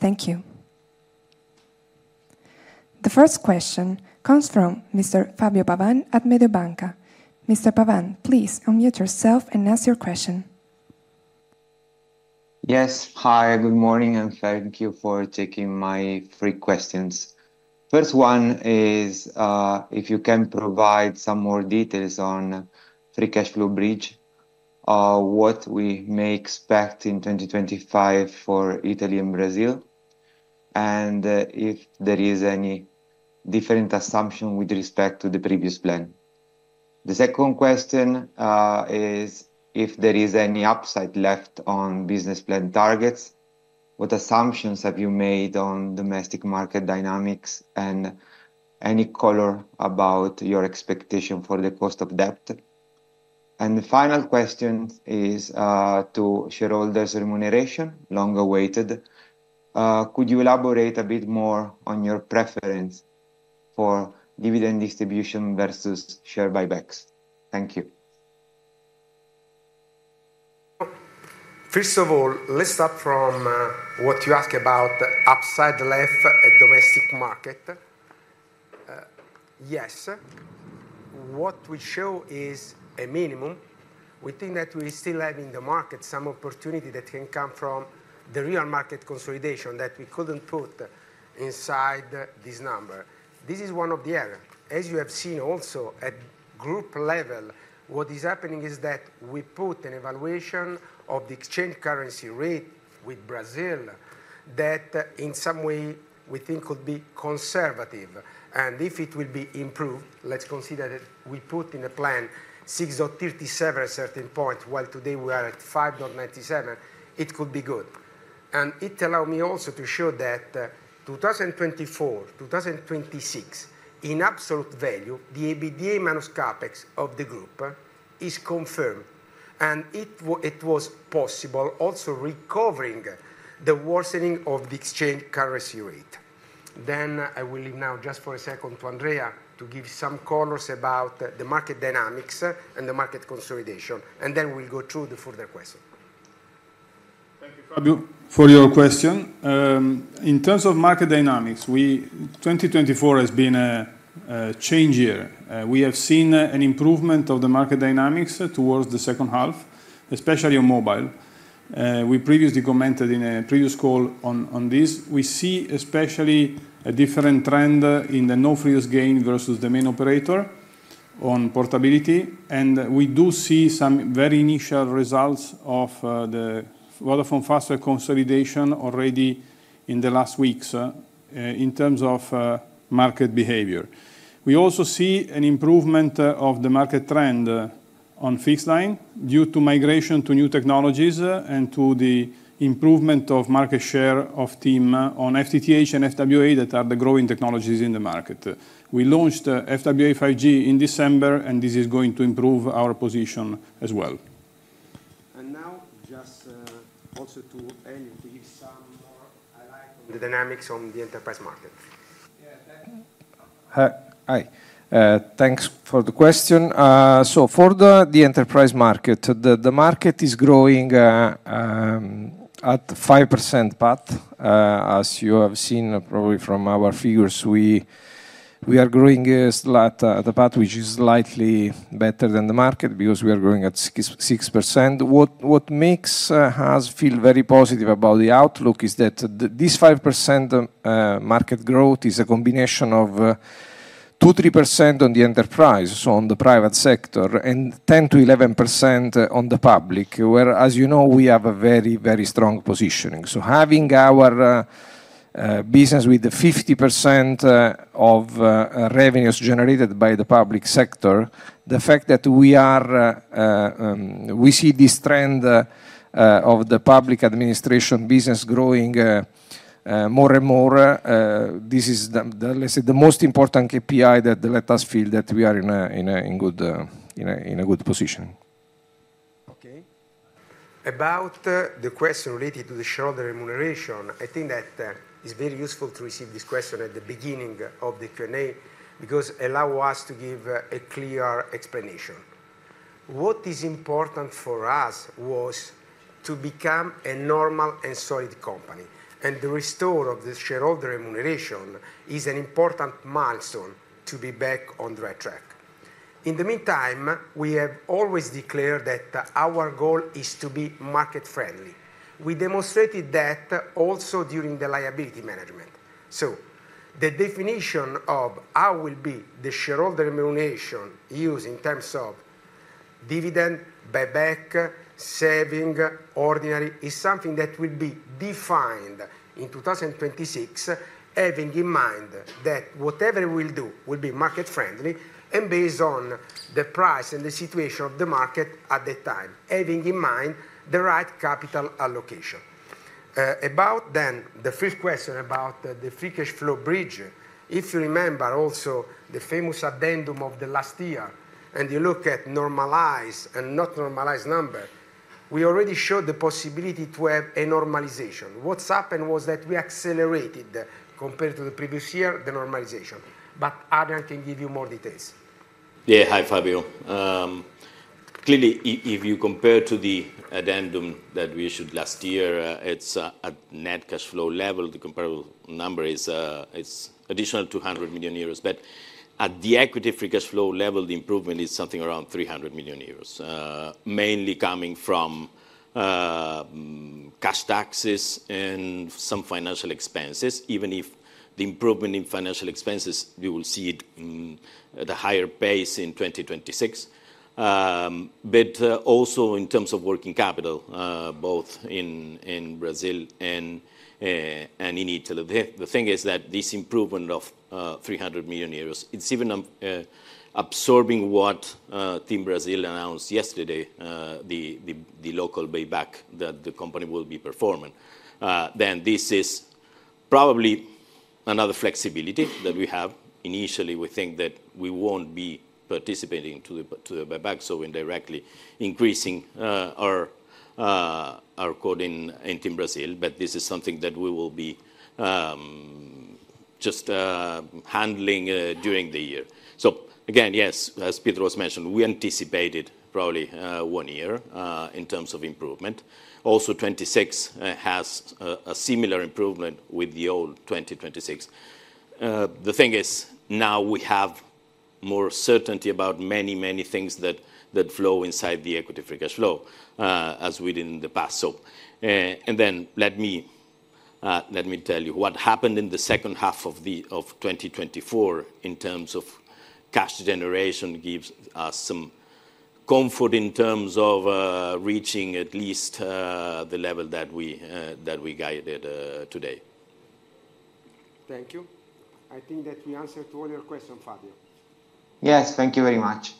Thank you. The first question comes from Mr. Fabio Pavan at Mediobanca. Mr. Pavan, please unmute yourself and ask your question. Yes. Hi, good morning and thank you for taking my three questions. First one is if you can provide some more details on free cash flow bridge, what we may expect in 2025 for Italy and Brazil and if there is any different assumption with respect to the previous plan. The second question is if there is any upside left on business plan targets. What assumptions have you made on domestic market dynamics and any color about your expectation for the cost of debt? And the final question is to shareholders remuneration long awaited. Could you elaborate a bit more on your preference for dividend distribution versus share buybacks? Thank you. First of all, let's start from what you ask about upside left in the domestic market. Yes. What we show is a minimum. We think that we still have in the market some opportunity that can come from the real market consolidation that we couldn't put inside this number. This is one of the errors, as you have seen also at group level. What is happening is that we put an evaluation of the currency exchange rate with Brazil that in some way we think could be conservative and if it will be improved, let's consider that we put in a plan 6.37 certain points, while today we are at 5.97. It could be good. And it allowed me also to show that 2024, 2026 in absolute value, the EBITDA minus CapEx of the group is confirmed and it was possible also recovering the worsening of the exchange currency rate. Then I will leave now just for a second to Andrea to give some colors about the market dynamics and the market consolidation and then we'll go through the further question. Thank you, Fabio, for your question in terms of market dynamics. 2024 has been a challenging year. We have seen an improvement of the market dynamics towards the second half, especially on mobile. We previously commented in a previous call on this, we see especially a different trend in the no-frills gain versus the main operator on portability, and we do see some very initial results of the Vodafone Fastweb consolidation already in the last weeks. In terms of market behavior, we also see an improvement of the market trend on fixed line due to migration to new technologies and to the improvement of market share of TIM on FTTH and FWA that are the growing technologies in the market. We launched FWA 5G in December and this is going to improve our position as well. Now just also to Elio to give some dynamics on the enterprise market. Hi, thanks for the question, so for the enterprise market, the market is growing at 5% pace as you have seen probably from our figures. We are growing the pace which is slightly better than the market because we are growing at 6%. What makes us feel very positive about the outlook is that this 5% market growth is a combination of 2%-3% on the enterprise on the private sector and 10%-11% on the public, whereas you know, we have a very, very strong positioning, so having our business with the 50% of revenues generated by the public sector. The fact that we are. We see this trend of the public administration business growing more and more. This is the most important KPI that let us feel that we are in a good position. Okay, about the question related to the shareholder remuneration. I think that is very useful to receive this question at the beginning of the Q&A because it allows us to give a clear explanation. What is important for us was to become a normal and solid company and the restoration of the shareholder remuneration is an important milestone to be back on the right track. In the meantime, we have always declared that our goal is to be market friendly. We demonstrated that also during the liability management. So the definition of how the shareholder remuneration will be used in terms of dividend, buyback, Saving, Ordinary is something that will be defined in 2026, having in mind that whatever we'll do will be market friendly. Based on the price and the situation of the market at the time, having in mind the right capital allocation about then, the first question about the free cash flow bridge. If you remember also the famous addendum of the last year and you look at normalized and not normalized number, we already showed the possibility to have a normalization. What has happened was that we accelerated compared to the previous year, the normalization. Adrian can give you more details. Yeah, hi, Fabio. Clearly, if you compare to the addendum that we issued last year, it's a net cash flow level, the comparable number is additional 200 million euros. But at the equity free cash flow level, the improvement is something around 300 million euros, mainly coming from cash taxes and some financial expenses. Even if the improvement in financial expenses, you will see it at a higher pace in 2026. But also in terms of working capital, both in Brazil and in Italy. The thing is that this improvement of 300 million euros, it's even absorbing what TIM Brasil announced yesterday, the local buyback that the company will be performing. Then this is probably another flexibility that we have. Initially, we think that we won't be participating to the buyback, so indirectly increasing our stake in TIM Brasil. But this is something that we will be just handling during the year. So again, yes, as Pietro mentioned, we anticipated probably one year in terms of improvement. Also, 2026 has a similar improvement with the old 2026. The thing is, now we have more certainty about many, many things that flow inside the Equity Free Cash Flow, as we did in the past. And then let me tell you, what happened in the second half of 2024 in terms of cash generation gives us some comfort in terms of reaching at least the level that we guided today. Thank you. I think that we answered all your questions, Fabio. Yes, thank you very much.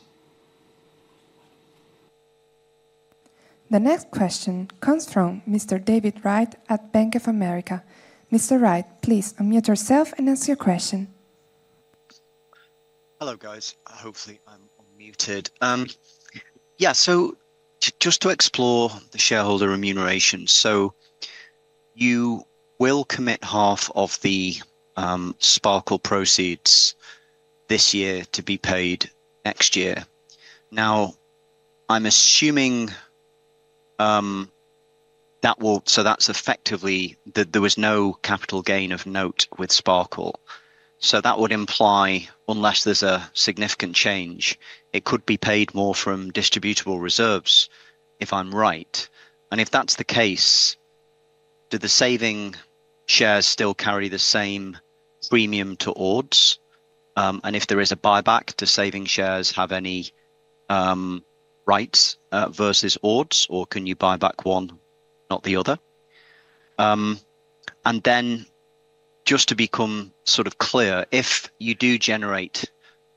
The next question comes from Mr. David Wright at Bank of America. Mr. Wright, please unmute yourself and ask your question. Hello, guys. Hopefully I'm muted. Yeah. So just to explore the shareholder remuneration. You will commit half of the Sparkle proceeds this year to be paid next year. Now, I'm assuming that will. So that's effectively that there was no capital gain of note with Sparkle. So that would imply, unless there's a significant change, it could be paid more from distributable reserves, if I'm right. And if that's the case, do the Saving Shares still carry the same premium to ords? And if there is a buyback to Saving Shares, have any rights versus ords, or can you buy back one, not the other? And then just to become sort of clear, if you do generate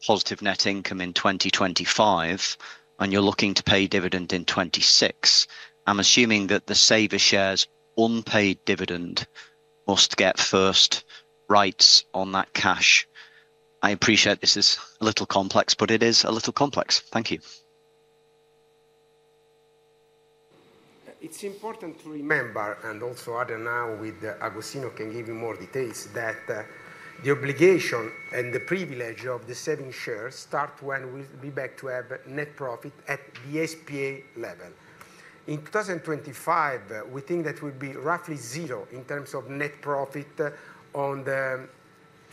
positive net income in 2025 and you're looking to pay dividend in 2026, I'm assuming that the Saving Shares, unpaid dividend, must get first rights on that cash. I appreciate this is a little complex, but it is a little complex. Thank you. It's important to remember. And also Adrian now with Agostino can give you more details that the obligation and the privilege of the saving shares start when we back to have net profit at the S.p.A. level in 2025. We think that will be roughly zero in terms of net profit on the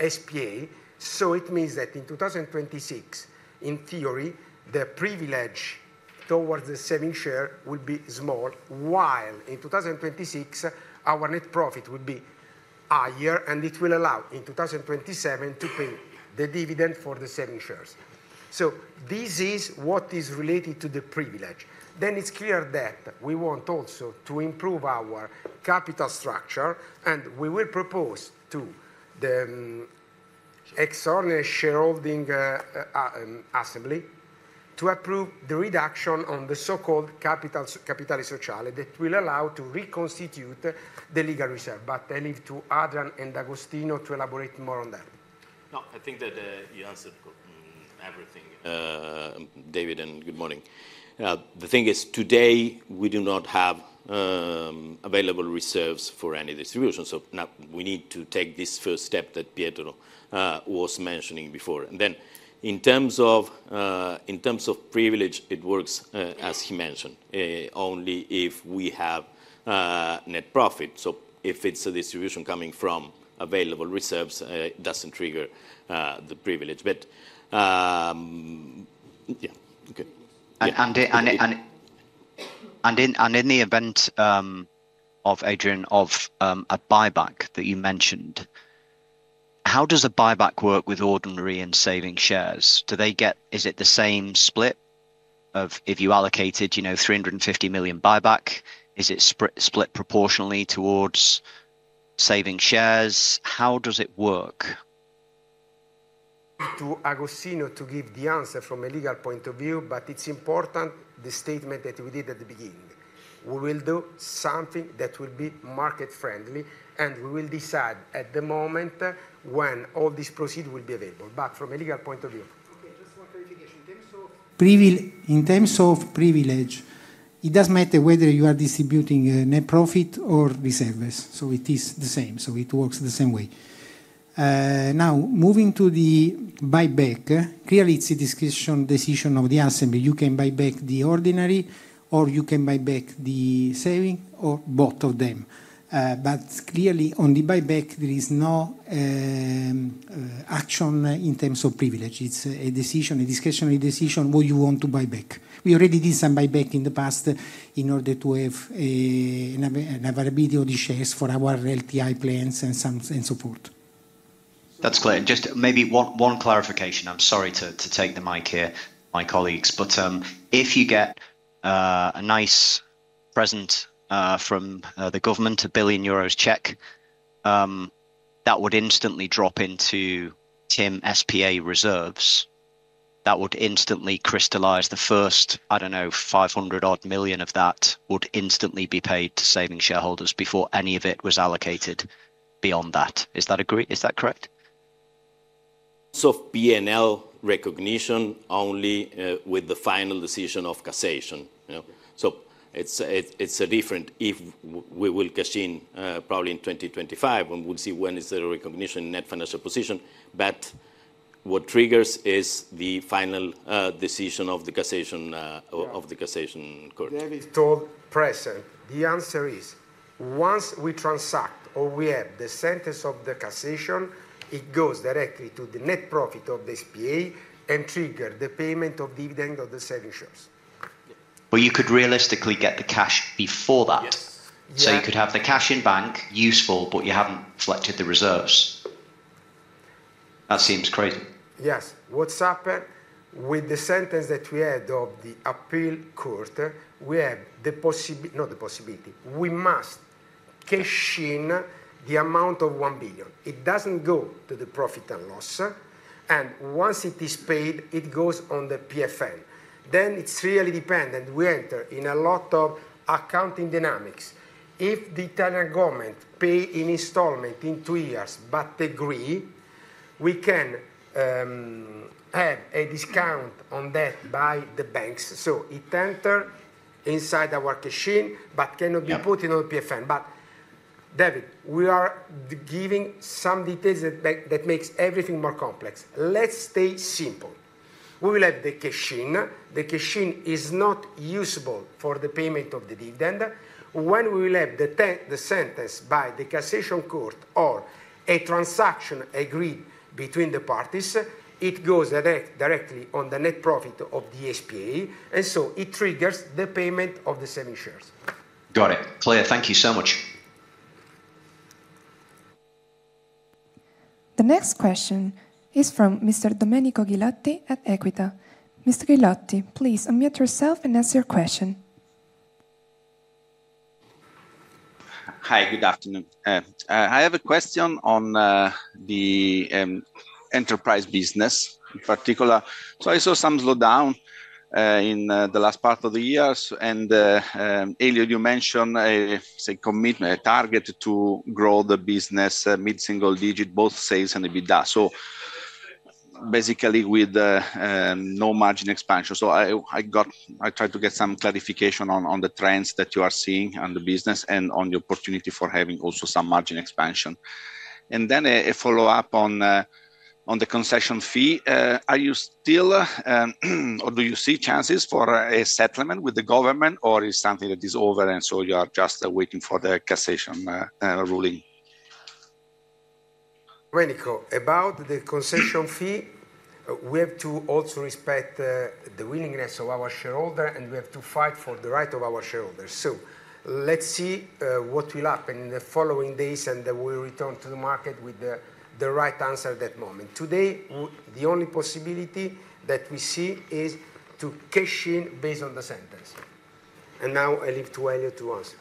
S.p.A. So it means that in 2026, in theory, the privilege towards the saving shares will be small, while in 2026 our net profit will be higher and it will allow in 2027 to pay the dividend for the saving shares. So this is what is related to the privilege. Then it's clear that we want also to improve our capital structure. And we will propose to the existing shareholding assembly to approve the reduction on the so-called share capital that will allow to reconstitute the legal reserve. But I leave to Adrian and Agostino to elaborate more on that. I think that you answered everything, David. Good morning. The thing is, today we do not have available reserves for any distribution. Now we need to take this first step that Pietro was mentioning before. Then, in terms of privilege, it works, as he mentioned, only if we have net profit. If it's a distribution coming from available reserves, it doesn't trigger the privilege. Yeah, okay. In the event of Adrian of a buyback that you mentioned, how does a buyback work with Ordinary and Saving shares? Do they get? Is it the same split of if you allocated, you know, 350 million buyback, is it split proportionally towards Saving shares? How does it work. To Agostino to give the answer from a legal point of view, but it's important the statement that we did at the beginning, we will do something that will be market friendly and we will decide at the moment when all this proceeds will be available. But from a legal point of view. In terms of privilege, it doesn't matter whether you are distributing net profit or the reserves. So it is the same. So it works the same way. Now, moving to the buyback, clearly it's a decision of the assembly. You can buy back the ordinary or you can buy back the saving, or both of them. But clearly on the buyback there is no action in terms of privilege. It's a decision, a discretionary decision, what you want to buy back. We already did some buyback in the past in order to have a shares for our LTI plans and some support. That's great. Just maybe one clarification. I'm sorry to take the mic here, my colleagues, but if you get a nice present from the government, a 1 billion euros check, that would instantly drop into TIM S.p.A. reserves that would instantly crystallize the first. I don't know, 500-odd million of that would instantly be paid to savings shareholders before any of it was allocated beyond that. Is that agree? Is that correct? P&L recognition only with the final decision of the Court of Cassation. It's different if we will cash in probably in 2025 and we'll see when is there a recognition net financial position. But what triggers is the final decision of the Court of Cassation. The answer is, once we transact or we have the sentence of the Cassation, it goes directly to the net profit of the S.p.A. and trigger the payment of dividend of the saving shares. But you could realistically get the cash before that. So you could have the cash in bank useful, but you haven't reflected the reserves. That seems crazy. Yes. What's happened with the sentence that we had of the appeal court? We have the possibility, not the possibility. We must cash in the amount of one billion. It doesn't go to the profit and loss, and once it is paid it goes on the PFN. Then it's really dependent. We enter in a lot of accounting dynamics. If the Italian government pay in installment in two years but agree we can have a discount on that by the banks. So it enter inside our cash in but cannot be put in OPFN. But David, we are giving some details that makes everything more complex. Let's stay simple. We will have the cash in, the cash in is not usable for the payment of the dividend. When we will have the sentence by the Court of Cassation or a transaction agreed between the parties, it goes directly on the net profit of the S.p.A. and so it triggers the payment of the saving shares. Got it. Clear, thank you so much. The next question is from Mr. Domenico Ghilotti at Equita. Mr. Ghilotti, please unmute yourself and ask your question. Hi, good afternoon. I have a question on the enterprise business in particular. So I saw some slowdown in the. Last part of the year. Elio, you mentioned a commitment. Target to grow the business mid single. Digital, both sales and EBITDA. Basically with no margin expansion. So I tried to get some clarification. On the trends that you are seeing. On the business and on the opportunity for having also some margin expansion and. A follow-up on the Concession Fee. Are you still or do you see? Chances for a settlement with the government, or is something that is over and? You are just waiting for the Cassation ruling? About the concession fee. We have to also respect the willingness of our shareholder and we have to fight for the right of our shareholders. So let's see what will happen in the following days and we return to the market with the right answer at that moment. Today the only possibility that we see is to cash in based on the sentence and now I leave to Elio to answer.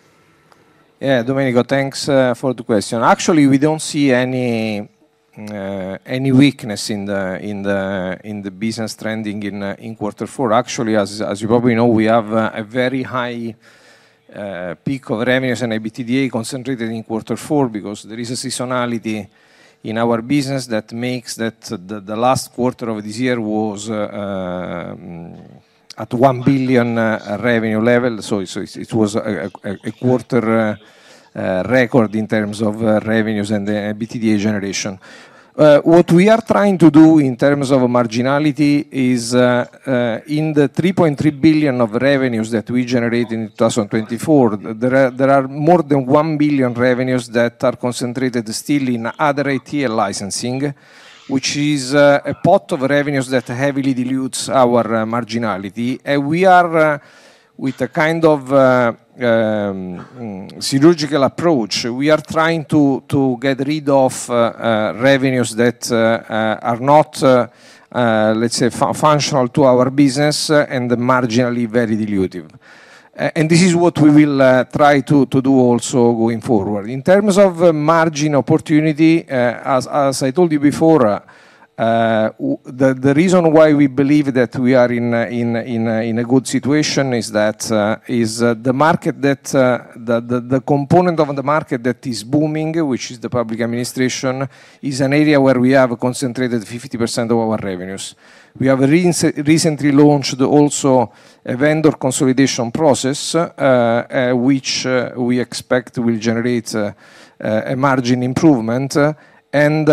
Yeah, Domenico, thanks for the question. Actually, we don't see any weakness in the business trending in quarter four. Actually, as you probably know, we have a very high peak of revenues and EBITDA concentrated in quarter four because there is a seasonality in our business that makes the last quarter of this year was at 1 billion revenue level. So it was a quarter record in terms of revenues and the EBITDA generation. What we are trying to do in terms of marginality is in the 3.3 billion of revenues that we generated in 2024, there are more than 1 billion revenues that are concentrated still in other ATL licensing, which is a pot of revenues that heavily dilutes our marginality. We are with a kind of synergical approach. We are trying to get rid of revenues that are not, let's say, functional to our business and marginally very dilutive. And this is what we will try to do also going forward in terms of margin opportunity. As I told you before, the reason why we believe that we are in a good situation is that the component of the market that is booming, which is the public administration, is an area where we have concentrated 50% of our revenues. We have recently launched also a vendor consolidation process which we expect will generate a margin improvement. And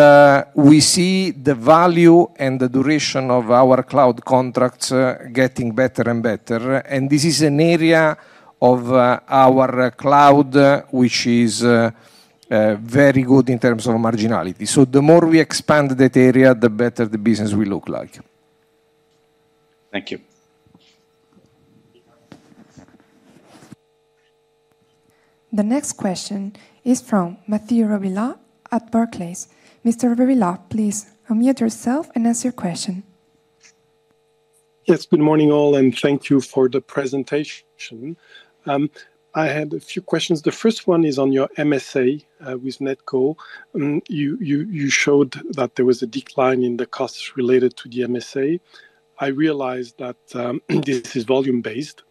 we see the value and the duration of our cloud contracts getting better and better. And this is an area of our cloud which is very good in terms of marginality. So the more we expand that area, the better the business will look like. Thank you. The next question is from Mathieu Robilliard at Barclays. Mr. Robilliard, please unmute yourself and ask your question. Yes. Good morning all and thank you for the presentation. I had a few questions. The first one is on your MSA with NetCo. You showed that there was a decline in the costs related to the MSA. I realized that this is volume-based,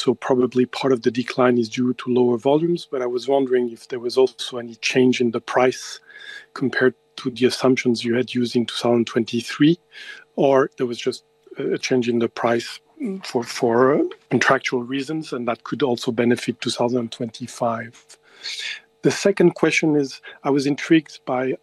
so probably part of the decline is due to lower volumes. But I was wondering if there was also any change in the price compared to the assumptions you had used in 2023 or there was just a change in the price for contractual reasons and that could also benefit 2025. The second question is I was intrigued by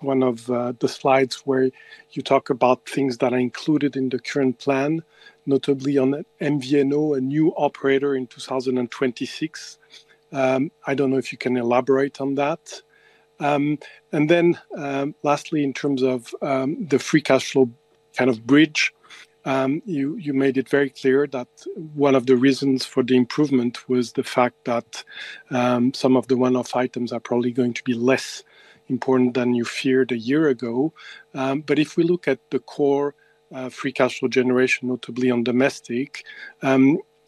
one of the slides where you talk about things that are included in the current plan, notably on MVNO, a new operator in 2026. I don't know if you can elaborate on that. And then lastly, in terms of the free cash flow kind of bridge, you made it very clear that one of the reasons for the improvement was the fact that some of the one-off items are probably going to be less important than you feared a year ago. But if we look at the core free cash flow generation, notably on domestic,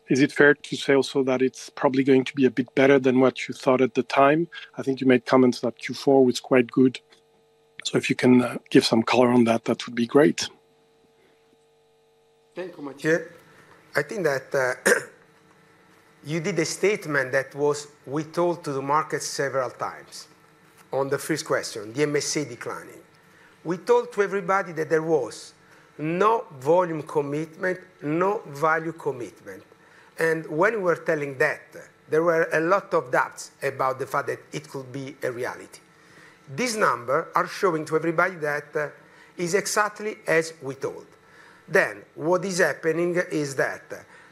is it fair to say also that it's probably going to be a bit better than what you thought at the time? I think you made comments that Q4 was quite good. So if you can give some color on that, that would be great. Thank you. Mathieu, I think that you did a statement that was. We told to the market several times on the first question, the MSA declining. We told to everybody that there was no volume commitment, no value commitment. And when we're telling that there were a lot of doubts about the fact that it could be a reality, this number are showing to everybody that is exactly as we told then. What is happening is that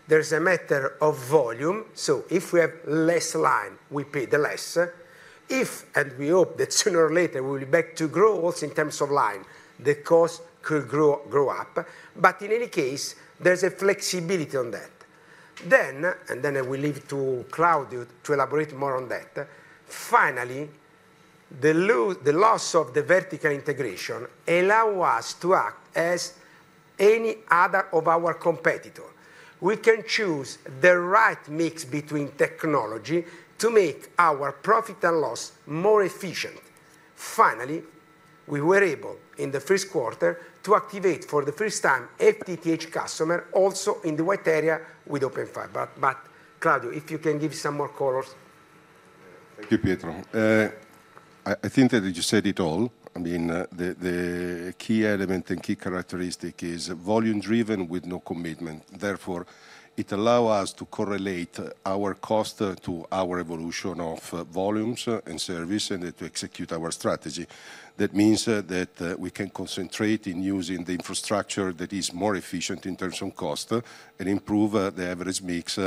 there's a matter of volume. So if we have less line, we paid less. And we hope that sooner or later we will be back to grow also in terms of line, the cost could grow up. But in any case there's a flexibility on that then. And then I will leave to Claudio to elaborate more on that. Finally, the loss of the vertical integration allow us to act as any other of our competitor. We can choose the right mix between technology to make our profit and loss more efficient. Finally, we were able in the first quarter to activate for the first time FTTH customer also in the white area with Open Fiber. But Claudio, if you can give some more colors. Thank you Pietro. I think that you said it all. I mean the key element and key characteristic is volume driven with no commitment. Therefore it allow us to correlate our cost to our evolution of volumes and service and to execute our strategy. That means that we can concentrate in using the infrastructure that is more efficient in terms of cost and improve the average mix.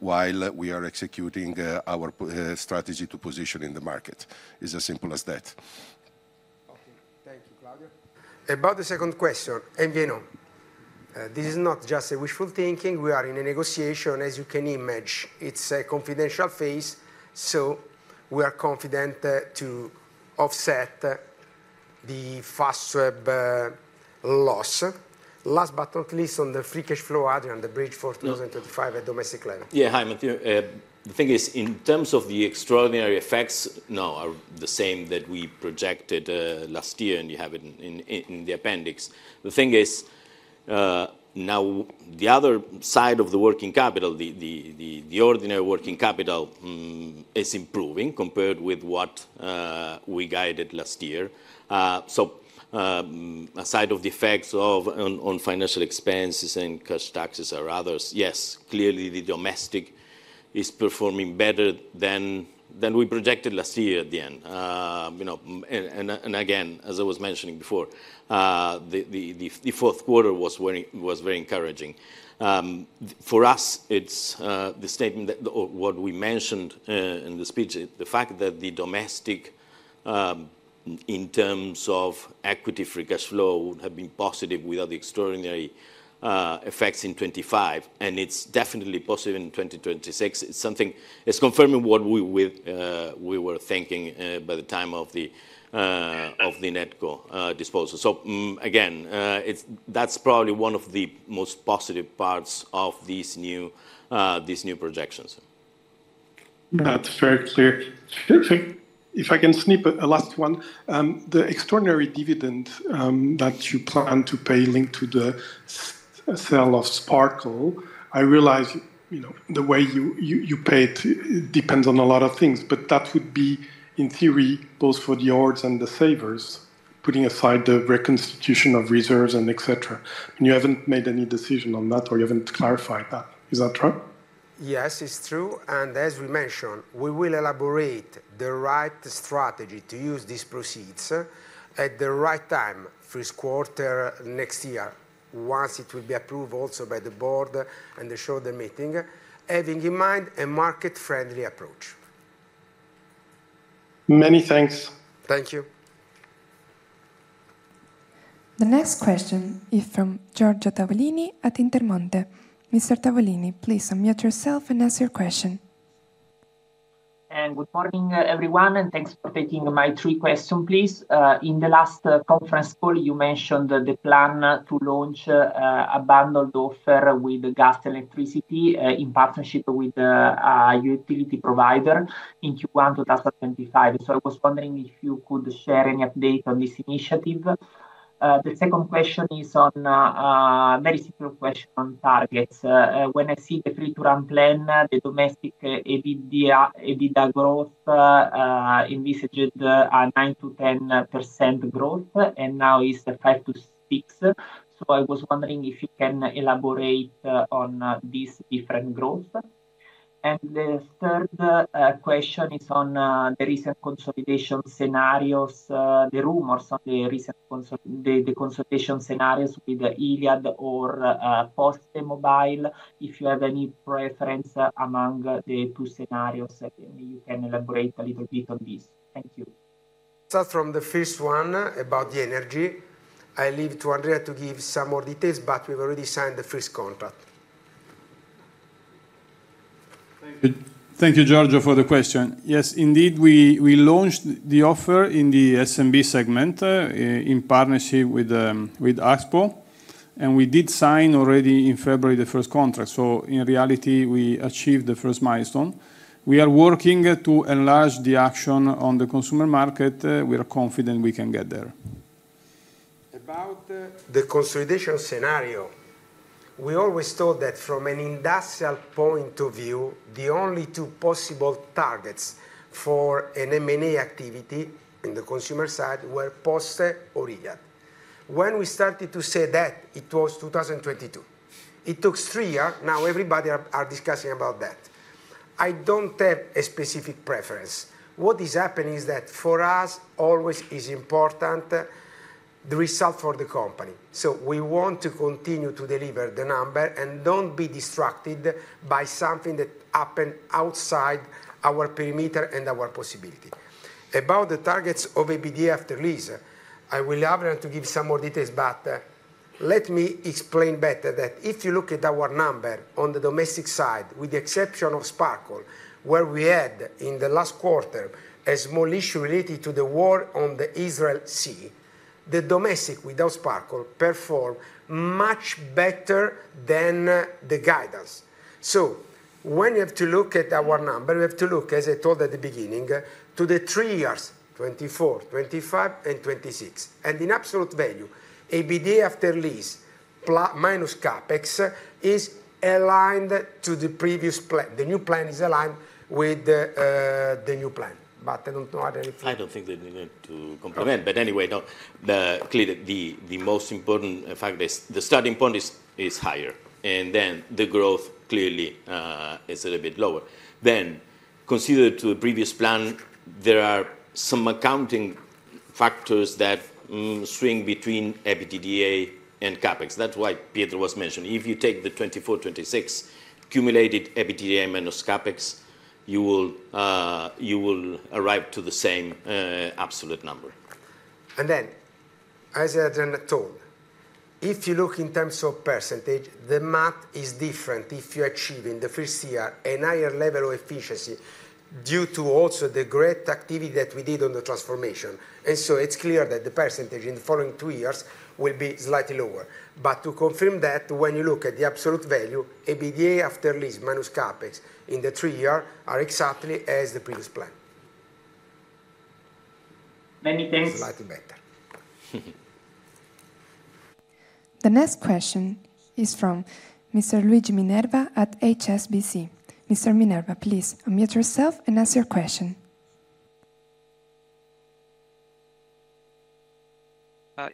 While we are executing our strategy to position in the market is as simple as that. Okay, thank you Claudio. About the second question, MVNO, this is not just a wishful thinking. We are in a negotiation. As you can imagine, it's a confidential phase. So we are confident to offset the Fastweb loss. Last, but not least on the free cash flow. Adrian, the bridge for 2025 at domestic level. Yeah. Hi, Mathieu. The thing is, in terms of the extraordinary effects. No. are the same that we projected last year and you have it in the appendix. The thing is now the other side of the working capital, the ordinary working capital is improving compared with what we guided last year. So aside from the effects on financial expenses and cash taxes, there are others. Yes, clearly the domestic side is performing better than we projected last year at the end. You know, and again, as I was mentioning before, the fourth quarter was very encouraging for us. It is the statement that what we mentioned in the speech, the fact that the domestic side in terms of equity free cash flow would have been positive without the extraordinary effects in 2025 and it is definitely positive in 2026. It is something. It is confirming what we were thinking by the time of the NetCo disposal. So again, that's probably one of the most positive parts of these new projections. That's very clear. If I can slip in a last one. The extraordinary dividend that you plan to pay linked to the sale of Sparkle. I realize the way you pay it depends on a lot of things, but that would be in theory both for the ords and the savers. Putting aside the reconstitution of reserves and et cetera, you haven't made any decision on that or you haven't clarified that. Is that true? Yes, it's true, and as we mentioned we will elaborate the right strategy to use these proceeds at the right time first quarter next year once it will be approved also by the board and the shareholders meeting having in mind a market friendly approach. Many thanks. Thank you. The next question is from Giorgio Tavolini at Intermonte. Mr. Tavolini, please unmute yourself and ask your question. Good morning everyone, and thanks for taking my three questions, please. In the last conference call you mentioned the plan to launch a bundled offer with gas electricity in partnership with utility provider in Q1 2025. I was wondering if you could share any update on this initiative. The second question is a very simple question on targets. When I see the F2R plan, the domestic EBITDA growth envisaged a 9%-10% growth and now is the 5%-6%. I was wondering if you can elaborate on this difference in growth. The third question is on the recent consolidation scenarios, the rumors on the recent consolidation scenarios with Iliad or PosteMobile. If you have any particular preference among the two scenarios, you can elaborate a little bit on this. Thank you. Start from the first one about the energy. I leave to Andrea to give some more details, but we've already signed the first contract. Thank you, Giorgio, for the question. Yes, indeed. We launched the offer in the SMB segment in partnership with Axpo and we did sign already in February the first contract. So in reality we achieved the first milestone. We are working to enlarge the action on the consumer market. We are confident we can get there. About the consolidation scenario, we always thought that from an industrial point of view, the only two possible targets for an M&A activity in the consumer side were Poste or Iliad when we started to say that it was 2022. It took three years. Now everybody are discussing about that. I don't have a specific preference. What is happening is that for us always is important the result for the company. So we want to continue to deliver the number and don't be distracted by something that happened outside our perimeter and our position. About the targets of EBITDA after lease, I will have to give some more details. But let me explain better that if you look at our number on the domestic side, with the exception of Sparkle, where we had in the last quarter a small issue related to the war in the Red Sea, the domestic without Sparkle performed much better than the guidance. So when you have to look at our number, we have to look, as I told at the beginning, to the three years 2024, 2025 and 2026. And in absolute value, EBITDA after lease minus CapEx is aligned to the previous plan. The new plan is aligned with the new plan. But I don't know, I don't think. That you need to complement. But anyway, clearly the most important, in fact the starting point is higher and then the growth clearly is a little bit lower than considered to the previous plan. There are some accounting factors that swing between EBITDA and CapEx. That's why Pietro was mentioning if you take the 2024, 2026 cumulated EBITDA minus CapEx, you will arrive to the same absolute number. And then, as told, if you look in terms of percentage, the math is different. If you achieve in the first year a higher level of efficiency due to also the great activity that we did on the transformation. And so it's clear that the percentage in the following two years will be slightly lower. But to confirm that when you look at the absolute value, EBITDA after lease minus CapEx in the three year are exactly as the previous plan. Many thanks. Slightly better. The next question is from Mr. Luigi Minerva at HSBC. Mr. Minerva, please unmute yourself and ask your question.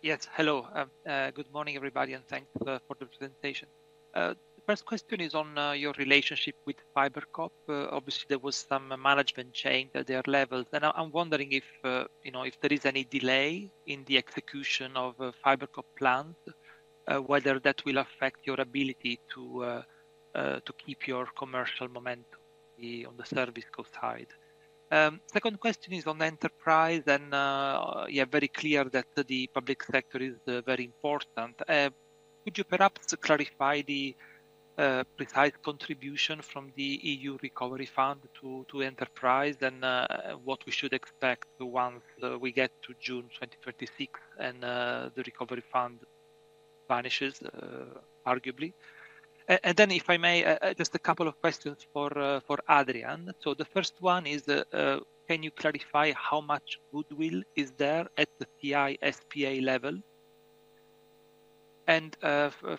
Yes, hello, good morning everybody, and thanks for the presentation. The first question is on your relationship with FiberCop. Obviously there was some management change at their levels and I'm wondering if there is any delay in the execution of FiberCop plans, whether that will affect your ability to keep your commercial momentum on the service side. Second question is on enterprise, and very clear that the public sector is very important. Could you perhaps clarify the precise contribution from the EU Recovery Fund to enterprise and what we should expect once we get to June 2026 and the recovery fund vanishes? Arguably. And then, if I may, just a couple of questions for Adrian. So the first one is, can you clarify how much goodwill is there at the TI S.p.A. level? And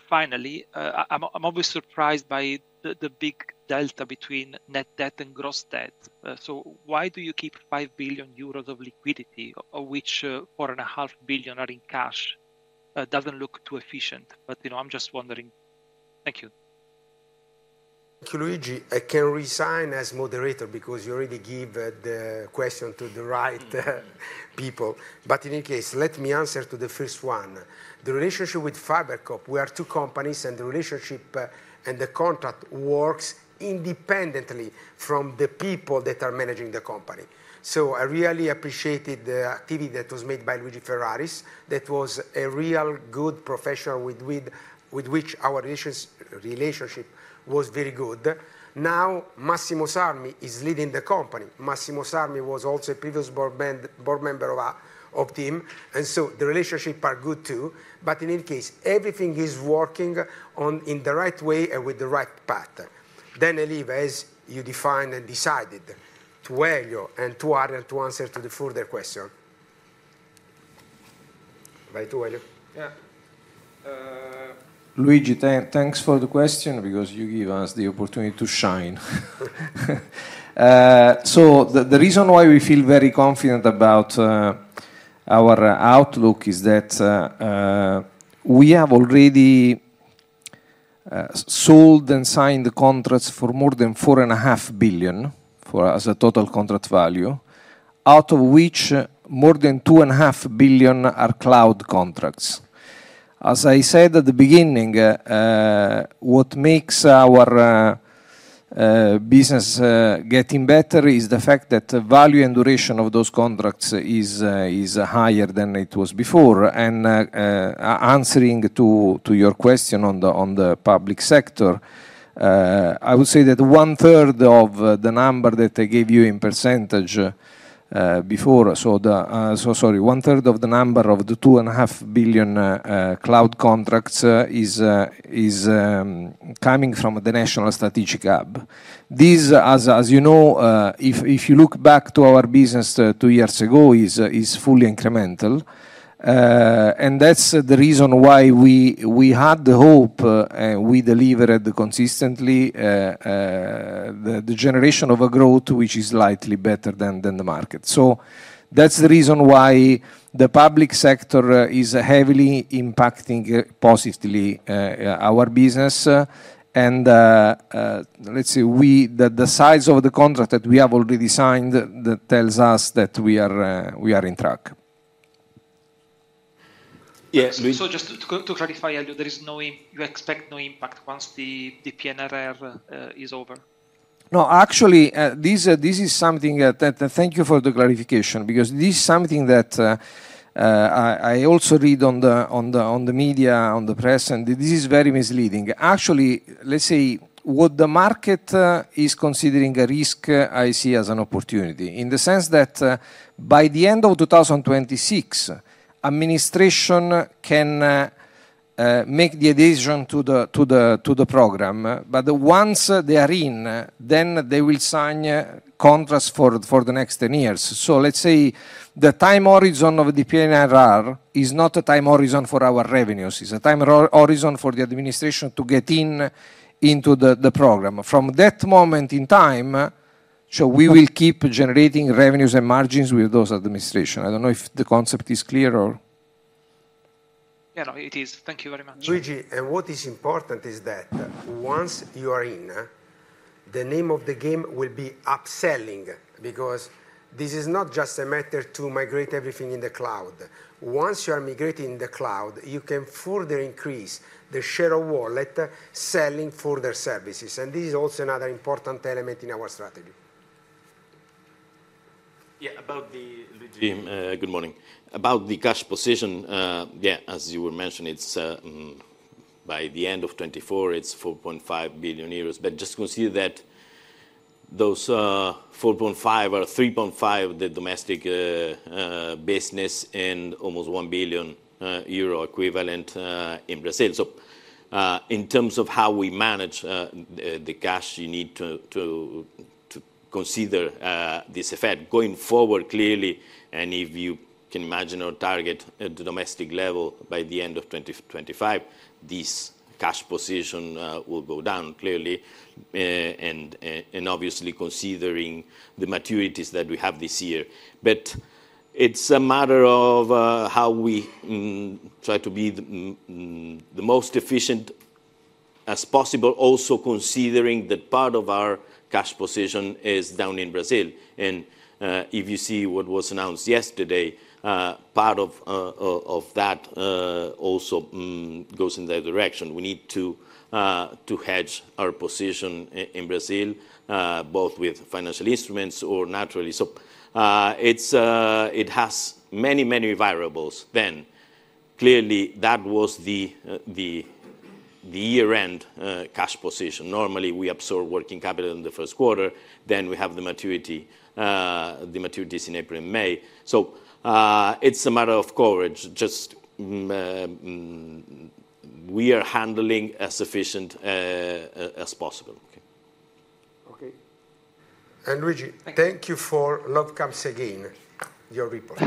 finally, I'm always surprised by the big delta between net debt and gross debt. So why do you keep 5 billion euros of liquidity, of which 4.5 billion are in cash? Doesn't look too efficient. But, you know, I'm just wondering. Thank you. Thank you, Luigi. I can resign as moderator because you already gave the question to the right people, but in any case, let me answer to the first one. The relationship with FiberCop. We are two companies and the relationship and the contract works independently from the people that are managing the company. So I really appreciated the activity that was made by Luigi Ferraris. That was a real good professional with which our relationship was very good. Now Massimo Sarmi is leading the company. Massimo Sarmi was also a previous board member of TIM and so the relationship are good too. But in any case, everything is working on in the right way and with the right path, then Elieves, you defined and decided to Elio and Tuare, and to answer to the further question. Luigi, thanks for the question because you gave us the opportunity to shine. So the reason why we feel very confident about our outlook is that we have already sold and signed the contracts for more than 4.5 billion as a total contract value, out of which more than 2.5 billion are cloud contracts. As I said at the beginning, what makes our business getting better is the fact that the value and duration of those contracts is higher than it was before. And answering to your question on the public sector, I would say that 1/3 of the number that I gave you in percentage before, 1/3 of the number of the 2.5 billion cloud contracts is coming from the National Strategic Hub. These, as you know, if you look back to our business two years ago, is fully incremental. That's the reason why we had the hope and we delivered consistently. The. Generating a growth which is slightly better than the market. So that's the reason why the public sector is heavily impacting positively our business. And let's see the size of the contract that we have already signed that tells us that we are on track. Yes. So just to clarify, there is no. You expect no impact once the PNRR is over? No, actually this is something that. Thank you for the clarification. Because this is something that I also read on the media, on the press, and this is very misleading. Actually. Let's say what the market is considering a risk I see as an opportunity in the sense that by the end of 2026, administration can make the adhesion to the program. But once they are in the then they will sign contracts for the next 10 years. So let's say the time horizon of the PNRR is not a time horizon for our revenues. It's a time horizon for the administration to get into the program. From that moment in time, we will keep generating revenues and margins with those administration. I don't know if the concept is clear or. Yeah, it is. Thank you very much. What is important is that once you are in the name of the game will be upselling. Because this is not just a matter to migrate everything in the cloud. Once you are migrating in the cloud, you can further increase the share of wallet selling for their services. This is also another important element in our strategy. Yeah, about the regime. Good morning. About the cash position. Yeah. As you mentioned, it's certain by the end of 2024 it's 4.5 billion euros. But just consider that those 4.5 or 3.5 the domestic business and almost 1 billion euro equivalent in Brazil. So in terms of how we manage the cash, you need to consider this effect going forward clearly. And if you can imagine our target at the domestic level, by the end of 2025, this cash position will go down clearly and obviously considering the maturities that we have this year. But it's a matter of how we try to be the most efficient as possible. Also considering that part of our cash position is down in Brazil. And if you see what was announced yesterday, part of that also goes in that direction. We need to hedge our position in Brazil both with financial instruments or naturally. So it has many, many variables. Then clearly that was the year-end cash position. Normally we absorb working capital in the first quarter, then we have the maturity, the maturities in April and May. So it's a matter of coverage. Just we are handling as efficient as possible. Okay. And Luigi, thank you for joining us again. Your report.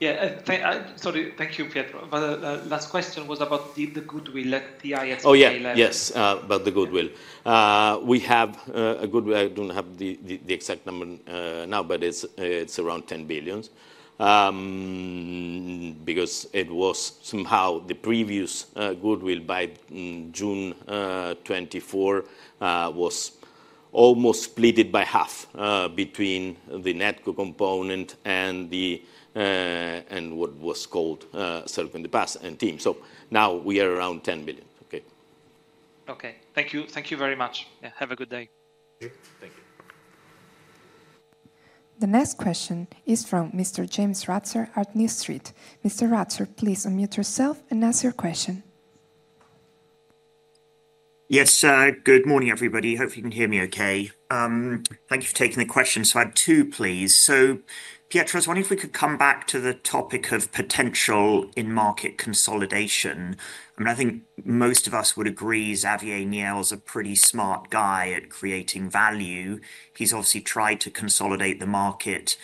Yeah, sorry. Thank you, Pietro. But last question was about the goodwill at TIM's. Yes, but the goodwill. We have a goodwill. I don't have the exact number now, but it's around 10 billion because it was somehow the previous goodwill by June 2024 was almost split by half between the NetCo component and what was called ServCo in the past and TIM, so now we are around 10 billion. Okay. Okay, thank you. Thank you very much. Have a good day. Thank you. The next question is from Mr. James Ratzer, at New Street Research. Mr. Ratzer, please unmute yourself and ask your question. Yes, good morning everybody. Hope you can hear me. Okay, thank you for taking the question. So I had two, please. So Pietro, I was wondering if we could come back to the topic of potential in market consolidation. I mean I think most of us would agree Xavier Niel is a pretty smart guy at creating value. He's obviously tried to consolidate the market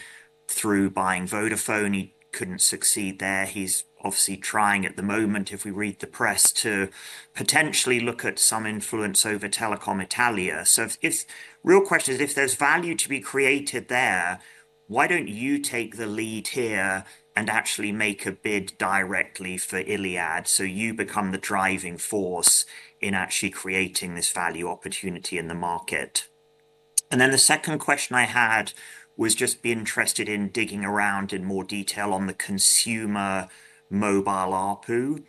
through buying Vodafone. He couldn't succeed there. He's obviously trying at the moment, if we read the press, to potentially look at some, some influence over Telecom Italia. So if real question is if there's value to be created there, why don't you take the lead here and actually make a bid directly for Iliad so you become the driving force in actually creating this value opportunity in the market. The second question I had was, I'd just be interested in digging around in more detail on the consumer mobile ARPU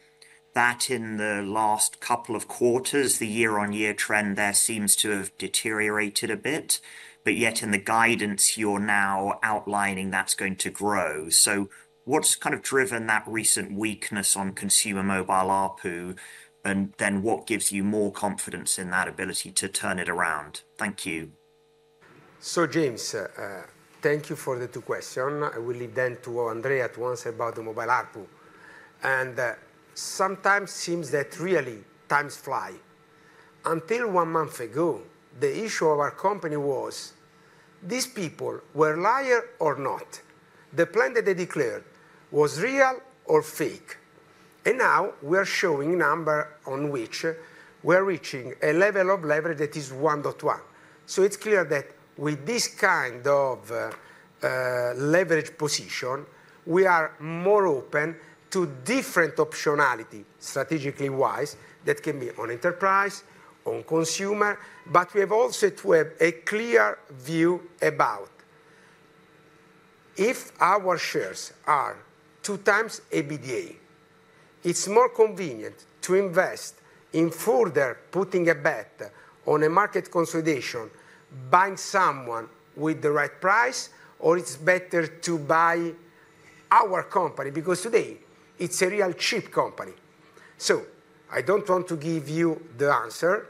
that in the last couple of quarters the year-on-year trend there seems to have deteriorated a bit. But yet in the guidance you're now outlining, that's going to grow. So what's kind of driven that recent weakness on consumer mobile ARPU and then what gives you more confidence in that ability to turn it around? Thank you. So, James, thank you for the two questions. I will lead them to Andrea at once about the mobile Apple, and sometimes it seems that really time flies. Until one month ago, the issue of our company was these people were liars or not, the plan that they declared was real or fake. Now we are showing numbers on which we're reaching a level of leverage that is 1.1. It's clear that with this kind of leverage position we are more open to different optionality strategically wise that can be on enterprise, on consumer. We have also to have a clear view about if our shares are 2 times EBITDA. It's more convenient to invest in further putting a bet on a market consolidation, buying someone with the right price or it's better to buy our company because today it's a real cheap company. So, I don't want to give you the answer.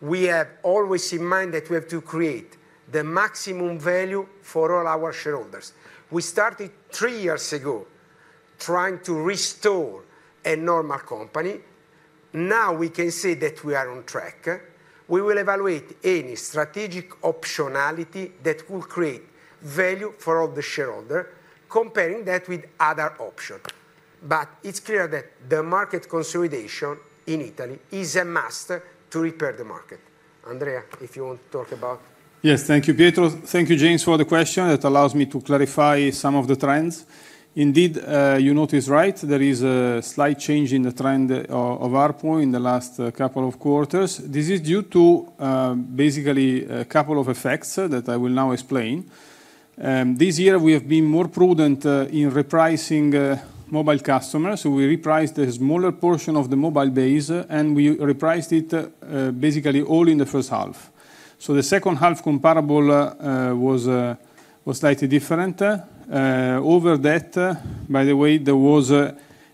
We have always in mind that we have to create the maximum value for all our shareholders. We started three years ago trying to restore a normal company. Now we can see that we are on track. We will evaluate any strategic optionality that will create value for all the shareholders, comparing that with other options. But it's clear that the market consolidation in Italy is a must to repair the market. Andrea, if you want to talk about. Yes, thank you Pietro. Thank you James for the question. It allows me to clarify some of the trends. Indeed you notice, right, there is a slight change in the trend of ARPU in the last couple of quarters. This is due to basically a couple of effects that I will now explain. This year we have been more prudent in repricing mobile customers. So we repriced a smaller portion of the mobile base and we repriced it basically all in the first half. So the second half comparable was slightly different over that. By the way, there was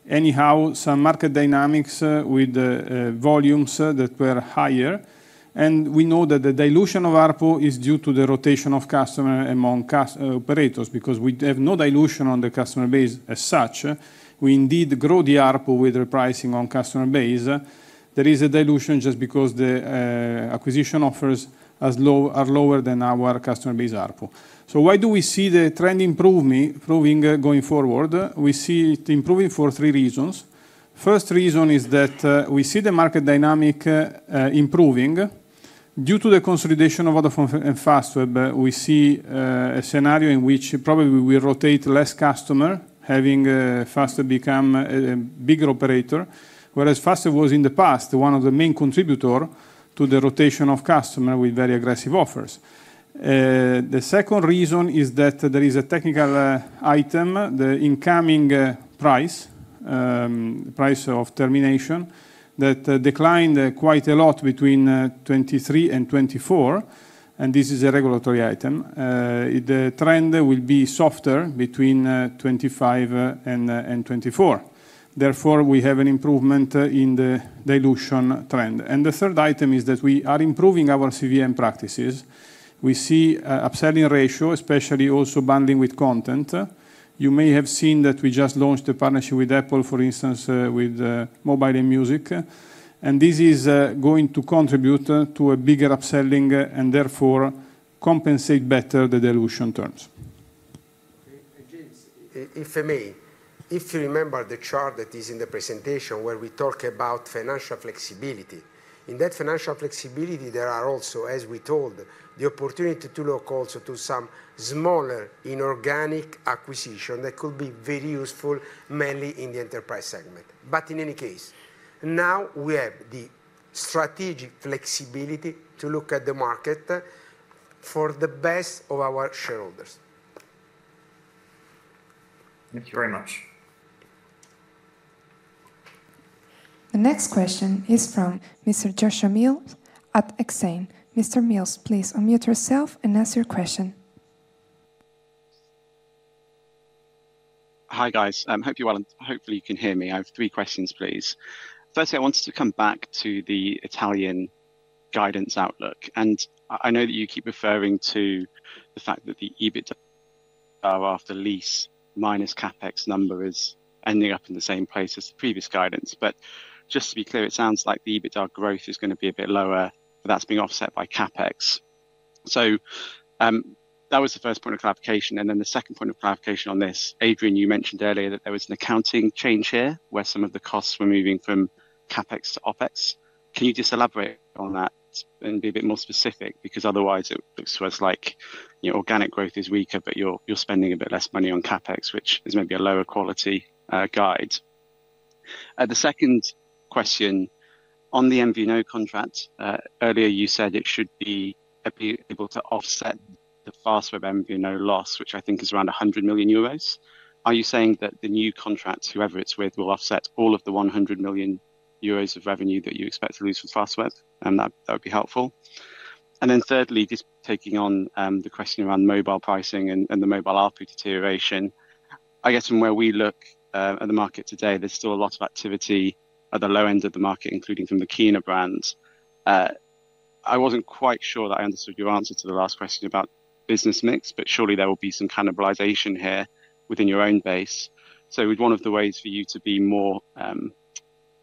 anyhow some market dynamics with volumes that were higher. And we know that the dilution of ARPU is due to the rotation of customer among operators because we have no dilution on the customer base. As such, we indeed grow the ARPU with repricing on customer base. There is a dilution just because the acquisition offers are lower than our customer base ARPU. So why do we see the trend improving going forward? We see it improving for three reasons. First reason is that we see the market dynamic improving due to the consolidation of Open Fiber and Fastweb. We see a scenario in which probably we rotate less customer having Fastweb become a bigger operator. Whereas Fastweb was in the past one of the main contributor to the rotation of customer with very aggressive offers. The second reason is that there is a technical item, the incoming price of termination that declined quite a lot between 2023 and 2024. And this is a regulatory item. The trend will be softer between 2024 and 2025, therefore we have an improvement in the dilution trend. And the third item is that we are improving our CVM practices. We see upselling ratio, especially also bundling with content. You may have seen that we just launched a partnership with Apple, for instance with mobile and music and this is going to contribute to a bigger upselling and therefore compensate better the dilution terms. I mean. If you remember the chart that is in the presentation where we talk about financial flexibility. In that financial flexibility there are also, as we told, the opportunity to look also to some smaller inorganic acquisition that could be very useful, mainly in the enterprise segment. But in any case, now we have the strategic flexibility to look at the market for the best of our shareholders. Thank you very much. The next question is from Mr. Joshua Mills at Exane. Mr. Mills, please unmute yourself and ask your question. Hi guys, hope you're well and hopefully you can hear me. I have three questions, please. Firstly, I wanted to come back to the Italian guidance outlook and I know that you keep referring to the fact that the EBITDA After Lease minus CapEx number is ending up in the same place as the previous guidance. But just to be clear, it sounds like the EBITDA growth is going to be a bit lower, but that's being offset by CapEx. So that was the first point of clarification and then the second point of clarification on this. Adrian, you mentioned earlier that there was an accounting change here where some of the costs were moving from CapEx to OpEx. Can you just elaborate on that and be a bit more specific? Because otherwise it looks to us like organic growth is weaker, but you're spending a bit less money on CapEx, which is maybe a lower quality guide. The second question, on the MVNO contract earlier you said it should be able to offset the Fastweb MVNO loss, which I think is around 100 million euros. Are you saying that the new contract, whoever it's with, will offset all of the 100 million euros of revenue that you expect to lose from Fastweb? And that would be helpful. And then thirdly, just taking on the question around mobile pricing and the mobile ARPU deterioration, I guess from where we look at the market today, there's still a lot of activity at the low end of the market, including from the keener brands. I wasn't quite sure that I understood your answer to the last question about business mix, but surely there will be some cannibalization here within your own base. So one of the ways for you to be more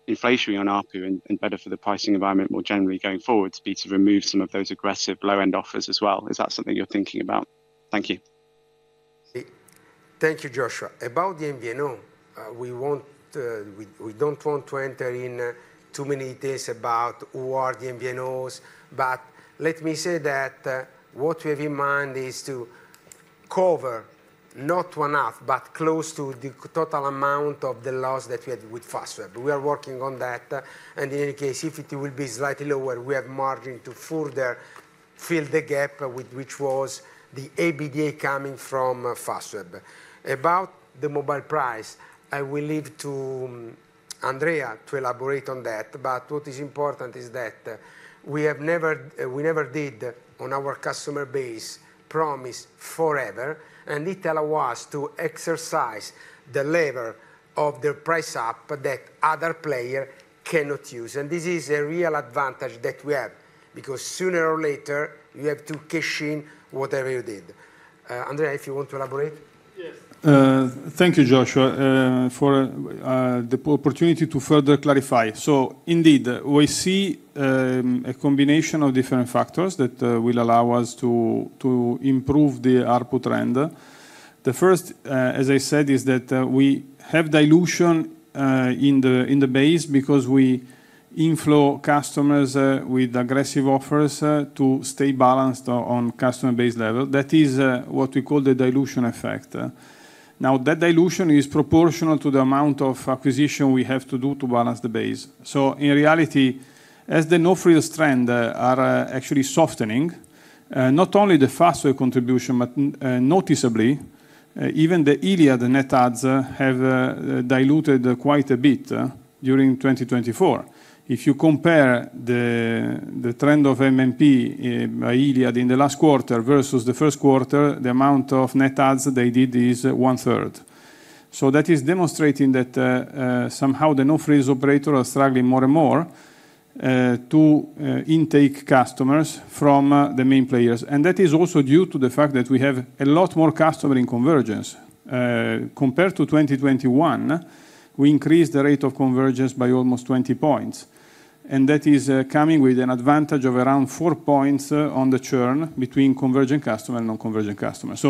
inflationary on ARPU and better for the pricing environment more generally going forward to be to remove some of those aggressive low-end offers as well. Is that something you're thinking about? Thank you. Thank you, Joshua. About the MVNO, we don't want to enter in too many things about what the MVNOs know, but let me say that what we have in mind is to cover not one half but close to the total amount of the loss that we had with Fastweb. We are working on that and in any case if it will be slightly lower, we have margin to further fill the gap with which was the EBITDA coming from Fastweb about the mobile price. I will leave to Andrea to elaborate on that. But what is important is that we never did on our customer base promise forever and it allow us to exercise the lever of the price up that other player cannot use. And this is a real advantage that we have because sooner or later you have to cash in whatever you did. Andrea, if you want to elaborate. Thank you Joshua for the opportunity to further clarify. So indeed we see a combination of different factors that will allow us to improve the ARPU trend. The first as I said is that we have dilution in the base because we inflow customers with aggressive offers to stay balanced on customer base level. That is what we call the dilution effect. Now that dilution is proportional to the amount of acquisition we have to do to balance the base. So in reality as the no frills trend are actually softening not only the Fastweb contribution but noticeably even Net adds have diluted quite a bit during 2024. If you compare the trend of MNP Iliad in the last quarter versus the first quarter, the Net adds they did is 1/3t. So that is demonstrating that somehow the no-frills operators are struggling more and more to attract customers from the main players. And that is also due to the fact that we have a lot more customers in convergence compared to 2021. We increased the rate of convergence by almost 20 points and that is coming with an advantage of around four points on the churn between convergent customers and non-convergent customers.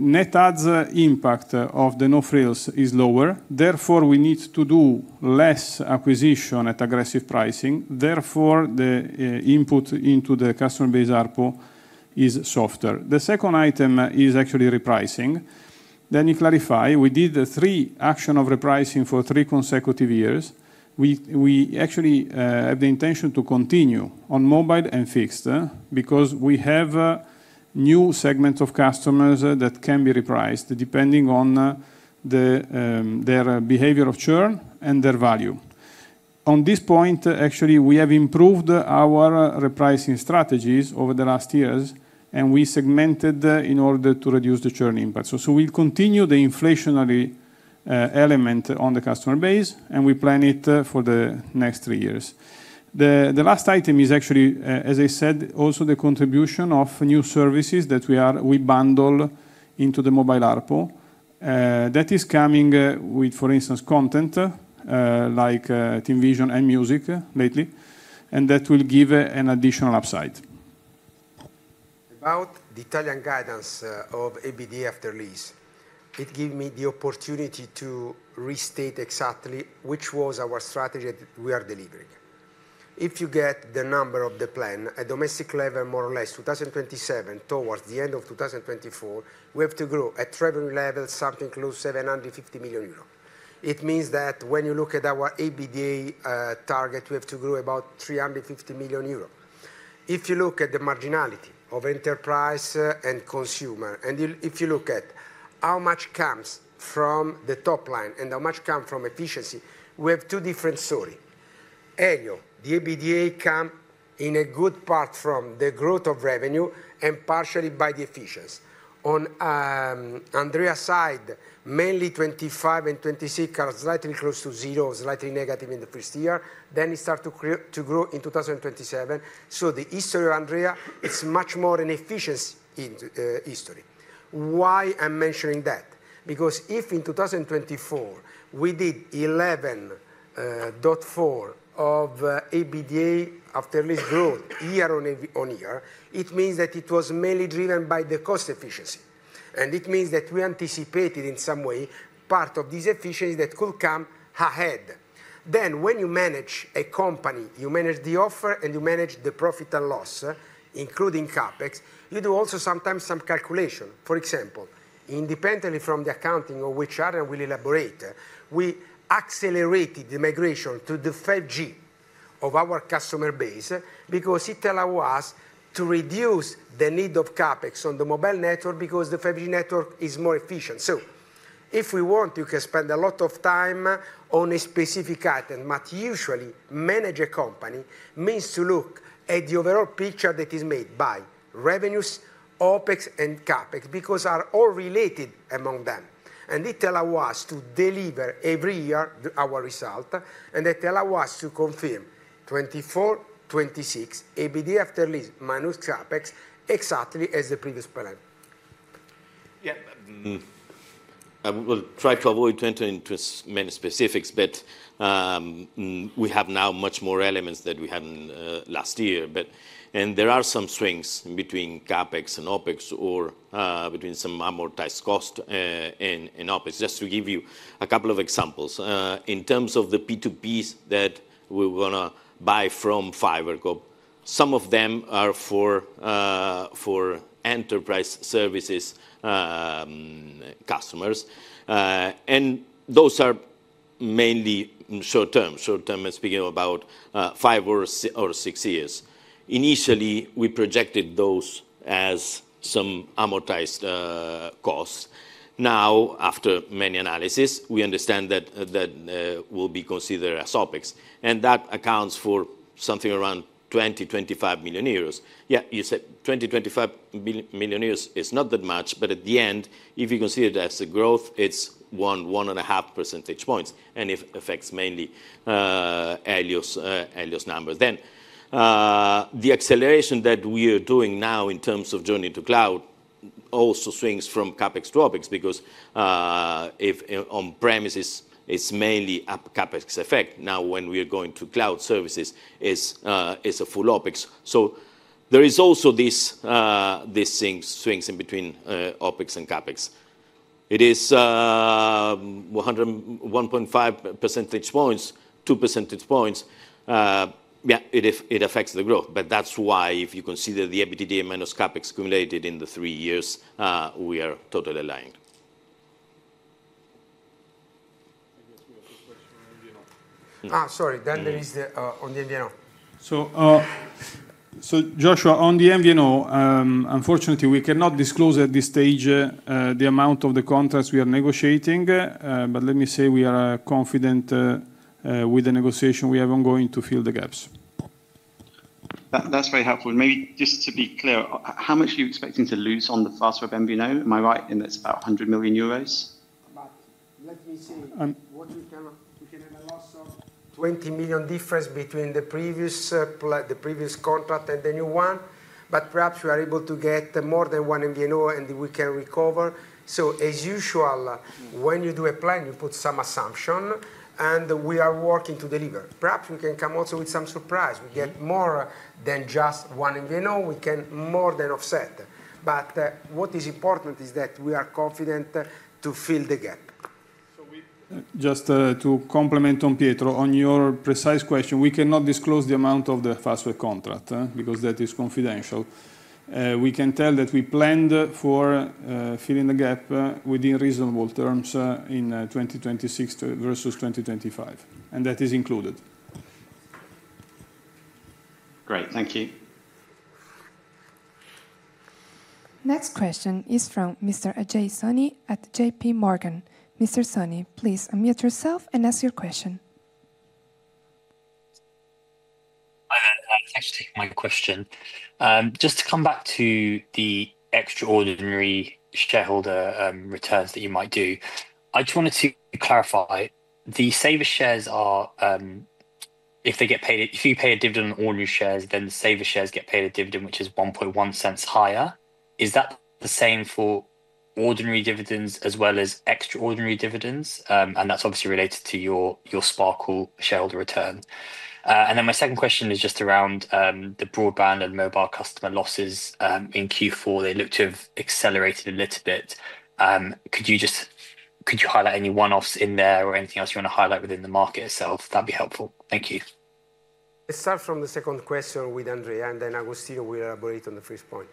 Net adds impact of the no-frills is lower. Therefore we need to do less acquisition at aggressive pricing. Therefore the input into the customer base ARPU is softer. The second item is actually repricing. Then you clarify we did three actions of repricing for three consecutive years. We actually have the intention to continue on mobile and fixed because we have new segments of customers that can be repriced depending on their behavior of churn and their value. On this point, actually, we have improved our repricing strategies over the last years and we segmented in order to reduce the churn impact. So we'll continue the inflationary element on the customer base and we plan it for the next three years. The last item is actually, as I said, also the contribution of new services that we bundle into the mobile ARPU that is coming with, for instance, content like TIMVISION and music lately and that will give an additional upside about. The Italian guidance of EBITDA after lease, it gives me the opportunity to restate exactly which was our strategy we are delivering. If you get the number of the plan at a domestic level, more or less 2027, towards the end of 2024, we have to grow at the level something close to 750 million euro. It means that when you look at our EBITDA target, we have to grow about 350 million euro. If you look at the marginality of enterprise and consumer, and if you look at how much comes from the top line and how much comes from efficiency, we have two different stories. The EBITDA comes in a good part from the growth of revenue and partially by efficiency on Andrea's side, mainly 25 and 26 are slightly close to zero, slightly negative in the first year, then it starts to grow in 2027. So the history of Andrea is much more inefficiency. Why I'm mentioning that because if in 2024 we did 11.4 of EBITDA after lease good year-on-year, it means that it was mainly driven by the cost efficiency. And it means that we anticipated in some way part of these efficiencies that could come ahead. Then when you manage a company, you manage the offer and you manage the profit and loss, including CapEx. You do also sometimes some calculation. For example, independently from the accounting of which Adrian will elaborate, we accelerated the migration to the 5G of our customer base because it allow us to reduce the need of CapEx on the mobile network because the 5G network is more efficient. So if we want, you can spend a lot of time on a specific item. Usually, managing a company means to look at the overall picture that is made by revenues, OpEx and CapEx because they are all related among them. And it allows us to deliver every year our result. And that allows us to confirm 2.4-2.6 billion EBITDA after CapEx exactly as the previous plan. Yeah, I will try to avoid entering into many specifics, but we have now much more elements than we had last year. And there are some swings between CapEx and OpEx or between some amortized cost and OpEx. Just to give you a couple of examples. In terms of the P2Ps that we want to buy from FiberCop, some of them are for enterprise services customers and those are mainly short term, short term, speaking about five or six years. Initially we projected those as some amortized costs. Now after many analysis, we understand that that will be considered as OpEx and that accounts for something around 20-25 million euros. Yeah, you said 20-25 million euros is not that much. But at the end, if you consider that as a growth, it's 1-1.5 percentage points. It affects mainly Elio's numbers. Then the acceleration that we are doing now in terms of journey to cloud also swings from CapEx to OpEx. Because if on premises it's mainly a CapEx effect. Now when we are going to cloud services, it's a full OpEx. So there is also these swings in between OpEx and CapEx. It is 101.5 percentage points. 2 percentage points. It affects the growth. But that's why if you consider the EBITDA minus CapEx in the three years, we are totally aligned. Sorry. Then there is on the MVNO. So Joshua, on the MVNO, unfortunately we cannot disclose at this time stage the amount of the contracts we are negotiating. But let me say we are confident with the negotiation we have ongoing to fill the gaps. That's very helpful. Maybe just to be clear, how much are you expecting to lose on the Fastweb MVNO? Am I right? And that's about 100 million euros. Let me see, 20 million difference between the previous contract and the new one. But perhaps we are able to get more than one MVNO and we can recover. So as usual, when you do a plan, you put some assumption and we are working to deliver, perhaps we can come also with some surprise. We get more than just one MVNO. We can more than offset. But what is important is that we are confident to fill the gap. Just to comment on, Pietro, on your precise question, we cannot disclose the amount of the Fastweb contract because that is confidential. We can tell that we planned for filling the gap within reasonable terms in 2026 versus 2025 and that is included. Great, thank you. Next question is from Mr. Ajay Soni at J.P. Morgan. Mr. Soni, please unmute yourself and ask your question. Hi there. Thanks for taking my question. Just to come back to the extraordinary shareholder returns that you might do, I just wanted to clarify. The saving shares are. If they get paid. If you pay a dividend on ordinary shares, then saving shares get paid a dividend which is 0.011 higher. Is that the same for ordinary dividends as well as extraordinary dividends as. And that's obviously related to your Sparkle shareholder return. And then my second question is just around the broadband and mobile customer losses in Q4. They look to have accelerated a little bit. Could you just, could you highlight any one-offs in there or anything else you want to highlight within the market itself. That'd be helpful, thank you. Let's start from the second question with Andrea and then Agostino will elaborate on the first point.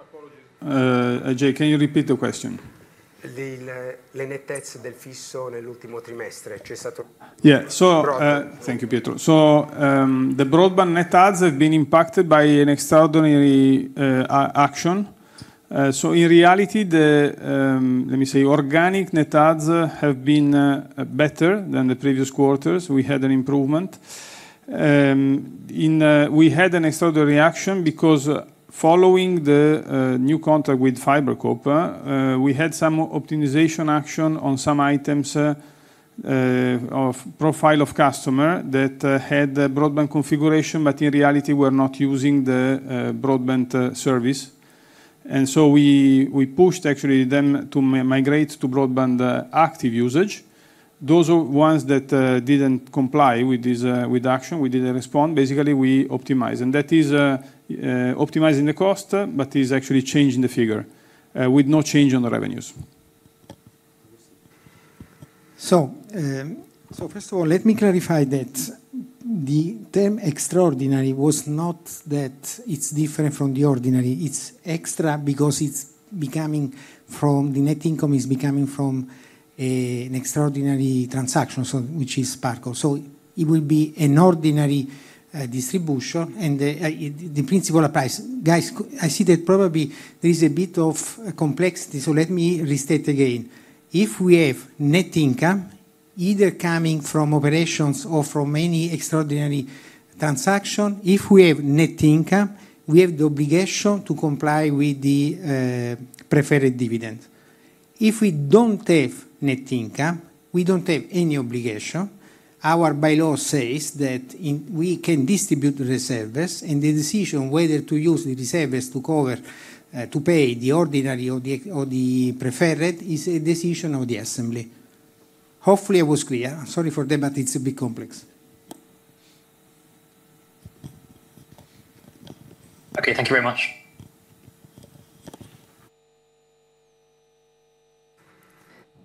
Apologies, Ajay, can you repeat the question? Yeah, so. Thank you, Pietro. So Net adds have been impacted by an extraordinary action. So in reality the. Let me Net adds have been better than the previous quarters. We had an improvement, we had an extraordinary reaction because following the new contract with FiberCop, we had some optimization action on some items of profile of customer that had the broadband configuration. But in reality we're not using the broadband service. And so we pushed actually then to migrate to broadband active usage. Those are ones that didn't comply with the action. We didn't respond. Basically we optimized and that is optimizing the cost, but is actually changing the figure with no change on the revenues. So first of all, let me clarify that the term extraordinary was not that it's different from the ordinary, it's extra because it's coming from the net income coming from an extraordinary transaction, which is Sparkle. So it will be an ordinary distribution and the principle applies. Guys, I see that probably there is a bit of complexity, so let me restate again. If we have net income, either coming from operations or from any extraordinary transaction, if we have net income, we have the obligation to comply with the preferred dividend. If we don't have net income, we don't have any obligation. Our bylaw says that we can distribute reserves and the decision whether to use the reserves to cover, to pay the ordinary or the preferred is a decision of the assembly. Hopefully I was clear. Sorry for that, but it's a bit complex. Okay, thank you very much.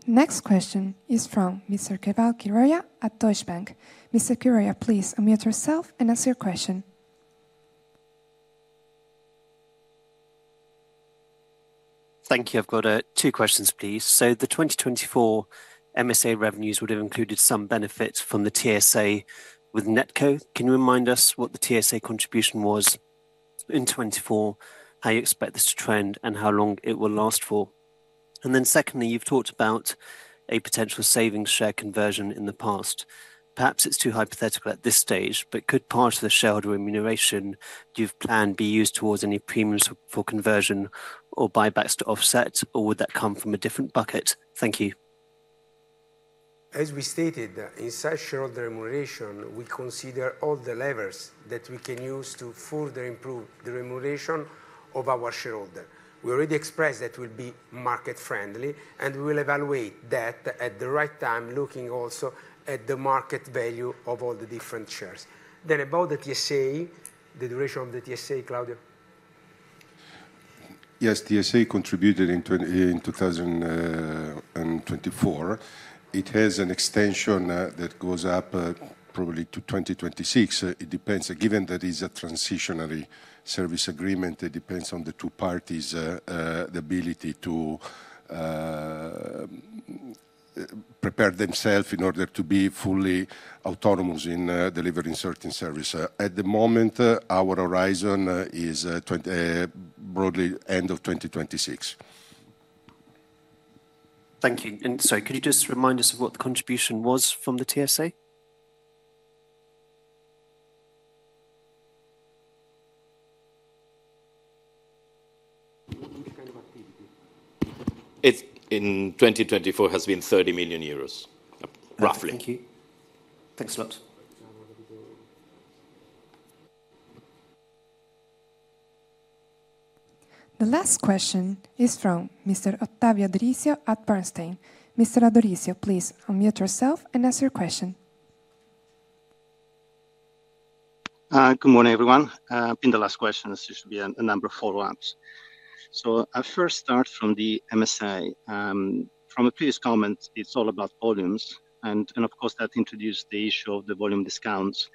Next question is from Mr. Keval Khiroya at Deutsche Bank. Mr. Khiroya, please unmute yourself and answer your question. Thank you. I've got two questions, please. So the 2024 MSA revenues would have included some benefits from the TSA with NetCo. Can you remind us what the TSA contribution was in 24, how you expect this to trend and how long it will last for? And then secondly, you've talked about a potential saving shares conversion in the past. Perhaps it's too hypothetical at this stage, but could part of the shareholder remuneration you've planned be used towards any premiums for conversion or buybacks to offset? Or would that come from a different bucket? Thank you. As we stated, in such shareholder remuneration, we consider all the levers that we can use to further improve the remuneration of our shareholder. We already expressed that will be market friendly and we will evaluate that at the right time. Looking also at the market value of all the different shares. Then about the TSA, the duration of the TSA. Claudio? Yes, TSA contributed in 2024. It has an extension that goes up probably to 2026. It depends, given that is a transitional service agreement. It depends on the two parties the ability to prepare themselves in order to be fully autonomous in delivering certain services. At the moment our horizon is broadly end of 2026. Thank you. And so could you just remind us of what the contribution was from the TSA? It in 2024 has been 30 million euros, roughly. Thank you. Thanks a lot. The last question is from Mr. Ottavio Adorisio at Bernstein. Mr. Adorisio, please unmute yourself and ask your question. Good morning everyone. In the last question there should be a number of follow-ups. So, I first start from the MSA from a previous comment. It's all about volumes and, of course, that introduced the issue of the volume discounts.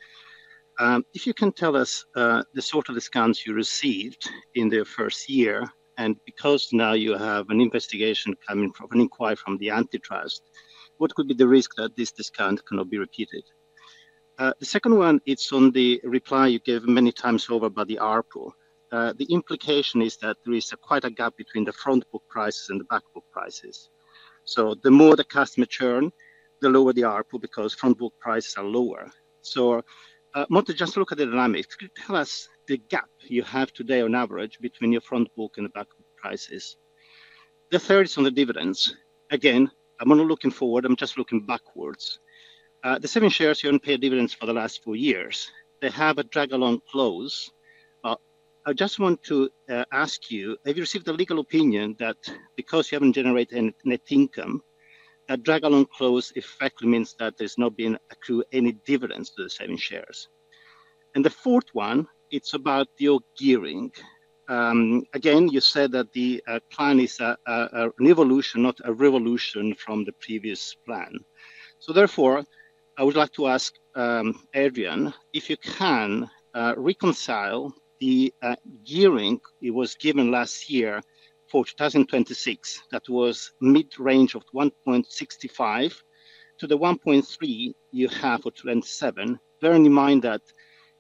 If you can tell us the sort of discounts you received in the first year and because now you have an investigation coming from an inquiry from the antitrust, what could be the risk that this discount cannot be repeated? The second one, it's on the reply you gave many times over on the ARPU. The implication is that there is quite a gap between the front book prices and the back book prices. So, the more the customer churn, the lower the ARPU because front book prices are lower. So, Monte, just look at the dynamics. Tell us the gap you have today on average between your front book and the back book prices. The third is on the dividends. Again, I'm only looking forward, I'm just looking backwards. The saving shares, unpaid dividends for the last four years, they have a drag-along clause. I just want to ask you, have you received the legal opinion that because you haven't generated net income, that drag-along clause effectively means that there's not been accrued any dividends to the saving shares? And the fourth one, it's about your gearing again. You said that the plan is an evolution, not a revolution from the previous plan. Therefore, I would like to ask Adrian if you can reconcile the gearing that was given last year for 2026, that was mid-range of 1.65 to the 1.3 you have for 2027, bearing in mind that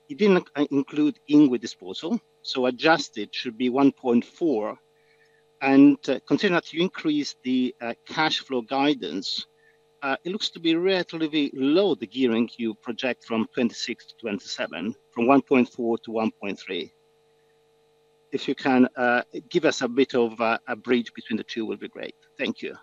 it didn't include the INWIT disposal, so adjusted should be 1.4. Consider that you increase the cash flow guidance; it looks to be relatively low. The gearing you project from 2026 to 2027, from 1.4 to 1.3, if you can give us a bit of a bridge between the two, will be great. Thank you.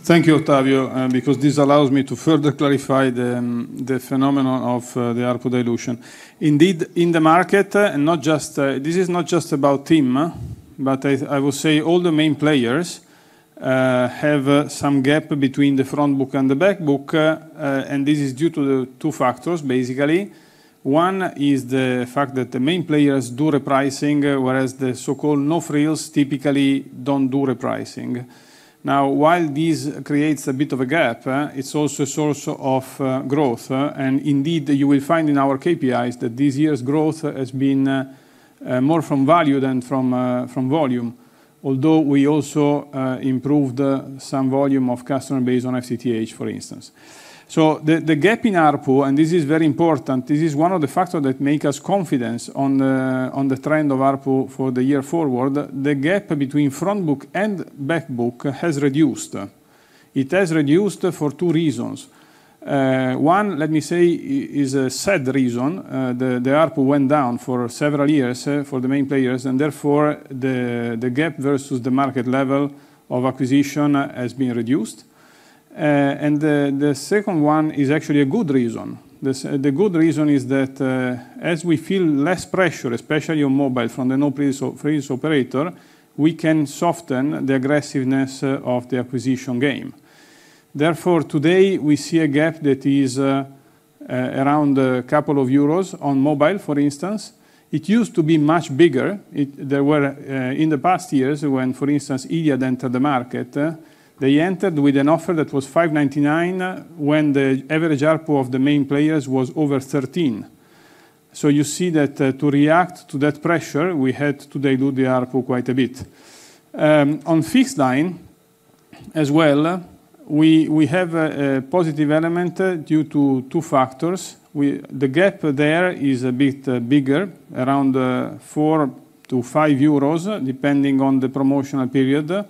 Thank you, Ottavio. Because this allows me to further clarify the phenomenon of the ARPU dilution indeed in the market. This is not just about TIM, but I will say all the main players have some gap between the front book and the back book. This is due to two factors. Basically, one is the fact that the main players do repricing, whereas the so-called no-frills typically don't do repricing. Now, while these creates a bit of a gap, it's also a source of growth. Indeed, you will find in our KPIs that this year's growth has been more from value than from volume. Although we also improved some volume of customer base on FTTH for instance. So the gap in ARPU and this is very important, this is one of the factors that make us confidence on the trend of ARPU for the year forward. The gap between Front Book and Back Book has reduced. It has reduced for two reasons. One, let me say, is a sad reason. The ARPU went down for several years for the main players and therefore the gap versus the market level of acquisition has been reduced. And the second one is actually a good reason. The good reason is that as we feel less pressure, especially on mobile from the no-frills operator, we can soften the aggressiveness of the acquisition game. Therefore today we see a gap that is around a couple of euros on mobile. For instance, it used to be much bigger in the past years when for instance Iliad entered the market. They entered with an offer that was 5.99 when the average ARPU of the main players was over 13. So you see that to react to that pressure we had to reduce the ARPU quite a bit on fixed line as well. We have a positive element due to two factors. The gap there is a bit bigger, around 4-5 euros depending on the promotional period.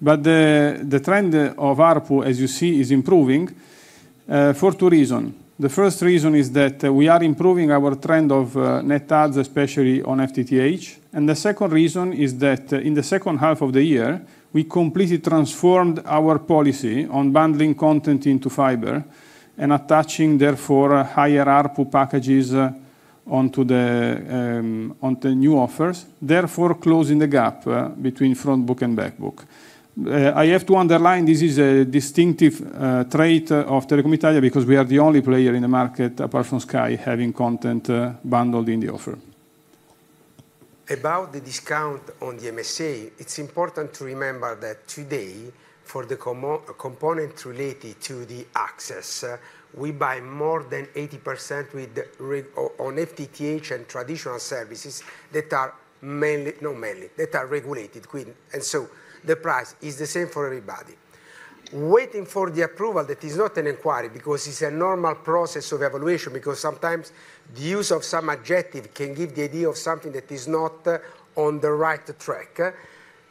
But the trend of ARPU as you see is improving for two reasons. The first reason is that we are improving our Net adds, especially on FTTH. The second reason is that in the second half of the year we completely transformed our policy on bundling content into fiber for attaching therefore higher ARPU packages onto the new offers, therefore closing the gap between front book and back book. I have to underline this is a distinctive trait of Telecom Italia because we are the only player in the market apart from Sky having content bundled in the offer. About the discount on the MSA, it's important to remember that today for the common component related to the access we buy more than 80% with on FTTH and traditional services that are regulated regime and so the price is the same for everybody waiting for the approval. That is not an inquiry because it's a normal process of evaluation. Because sometimes the use of some adjective can give the idea of something that is not on the right track.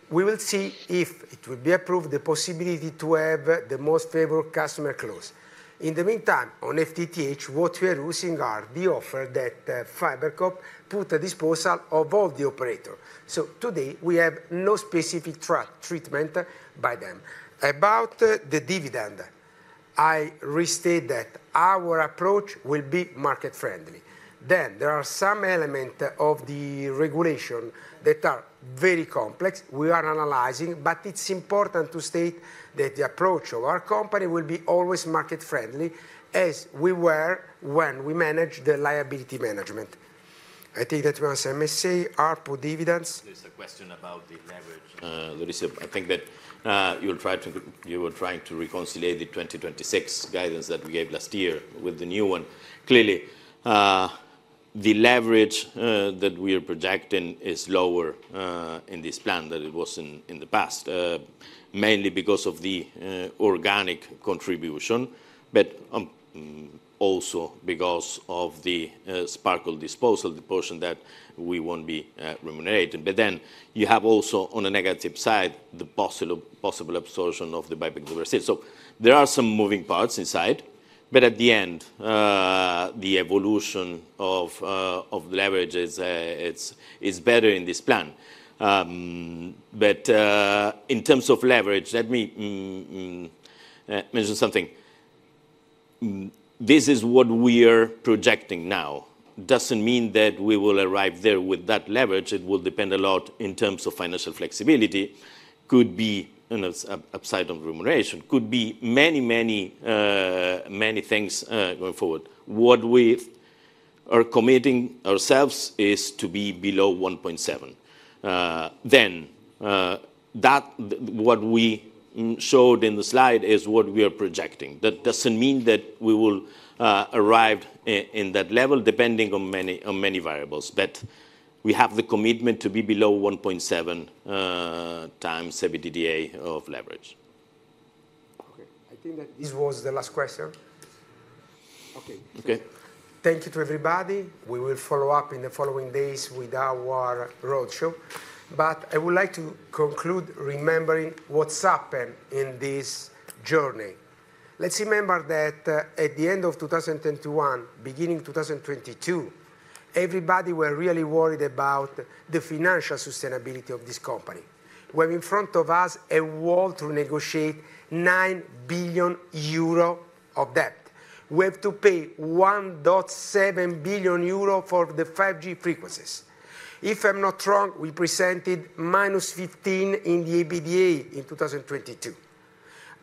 We will see if it will be approved the possibility to have the most favorable customer clause. In the meantime, on FTTH, what we are using are the offers that FiberCop put at disposal of all the operators. So today we have no specific treatment by them about the discount. I restate that our approach will be market friendly. Then there are some elements of the regulation that are very complex. We are analyzing. But it's important to state that the approach of our company will be always market friendly as we were when we manage the liability management. I think that once I may say ARPU dividends. There's a question about the leverage. Listen, I think that you'll try to. You were trying to reconcile 2026 guidance that we gave last year with the new one. Clearly the leverage that we are projecting is lower in this plan than it was in the past. Mainly because of the organic contribution, but also because of the Sparkle disposal the portion that we won't be remunerated. But then you have also on a negative side the possible absorption of the debt. So there are some moving parts inside. But at the end the evolution of leverages it is better in this plan. But in terms of leverage. Let me mention something. This is what we are projecting now doesn't mean that we will arrive there with that leverage. It will depend a lot on in terms of financial flexibility. Could be upside on remuneration, could be many, many, many things. Going forward, what we are committing ourselves is to be below 1.7, then that what we showed in the slide is what we are projecting. That doesn't mean that we will arrive in that level depending on many variables. But we have the commitment to be below 1.7 times EBITDA of leverage. Okay, I think that this was the last question. Okay. Okay. Thank you to everybody. We will follow up in the following days with our roadshow. But I would like to conclude remembering what's happened in this journey. Let's remember that at the end of 2022, beginning 2022, everybody were really worried about the financial sustainability of this company. We have in front of us a wall to negotiate 9 billion euro of debt. We have to pay 1.7 billion euro for the 5G frequencies. If I'm not wrong, we presented -15 in the EBITDA in 2022.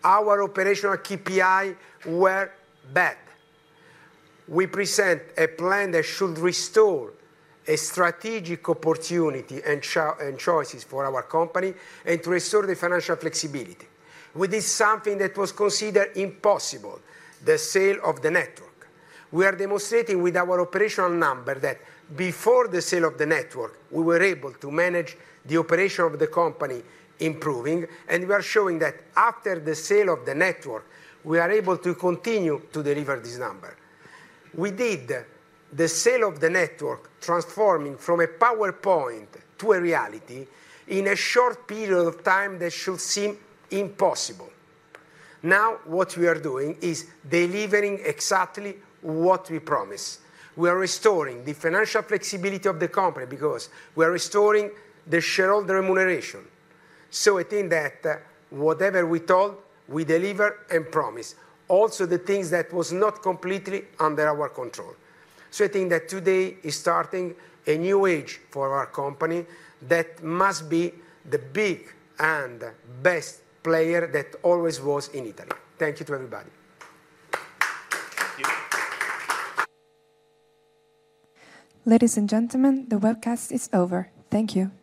Our operational KPI were bad. We present a plan that should restore a strategic opportunity and choices for our company and to restore the financial flexibility with this, something that was considered impossible, the sale of the network. We are demonstrating with our operational number that before the sale of the network we were able to manage the operation of the company improving. We are showing that after the sale of the network we are able to continue to deliver this number. We did the sale of the network transforming from a PowerPoint to a reality in a short period of time that should seem impossible now. What we are doing is delivering exactly what we promise. We are restoring the financial flexibility of the company because we are restoring the shareholder remuneration. I think that whatever we told we deliver and promise also the things that was not completely under our control. I think that today is starting a new age for our company. That must be the big and best player that always was in Italy. Thank you to everybody. Ladies and gentlemen, the webcast is over. Thank you.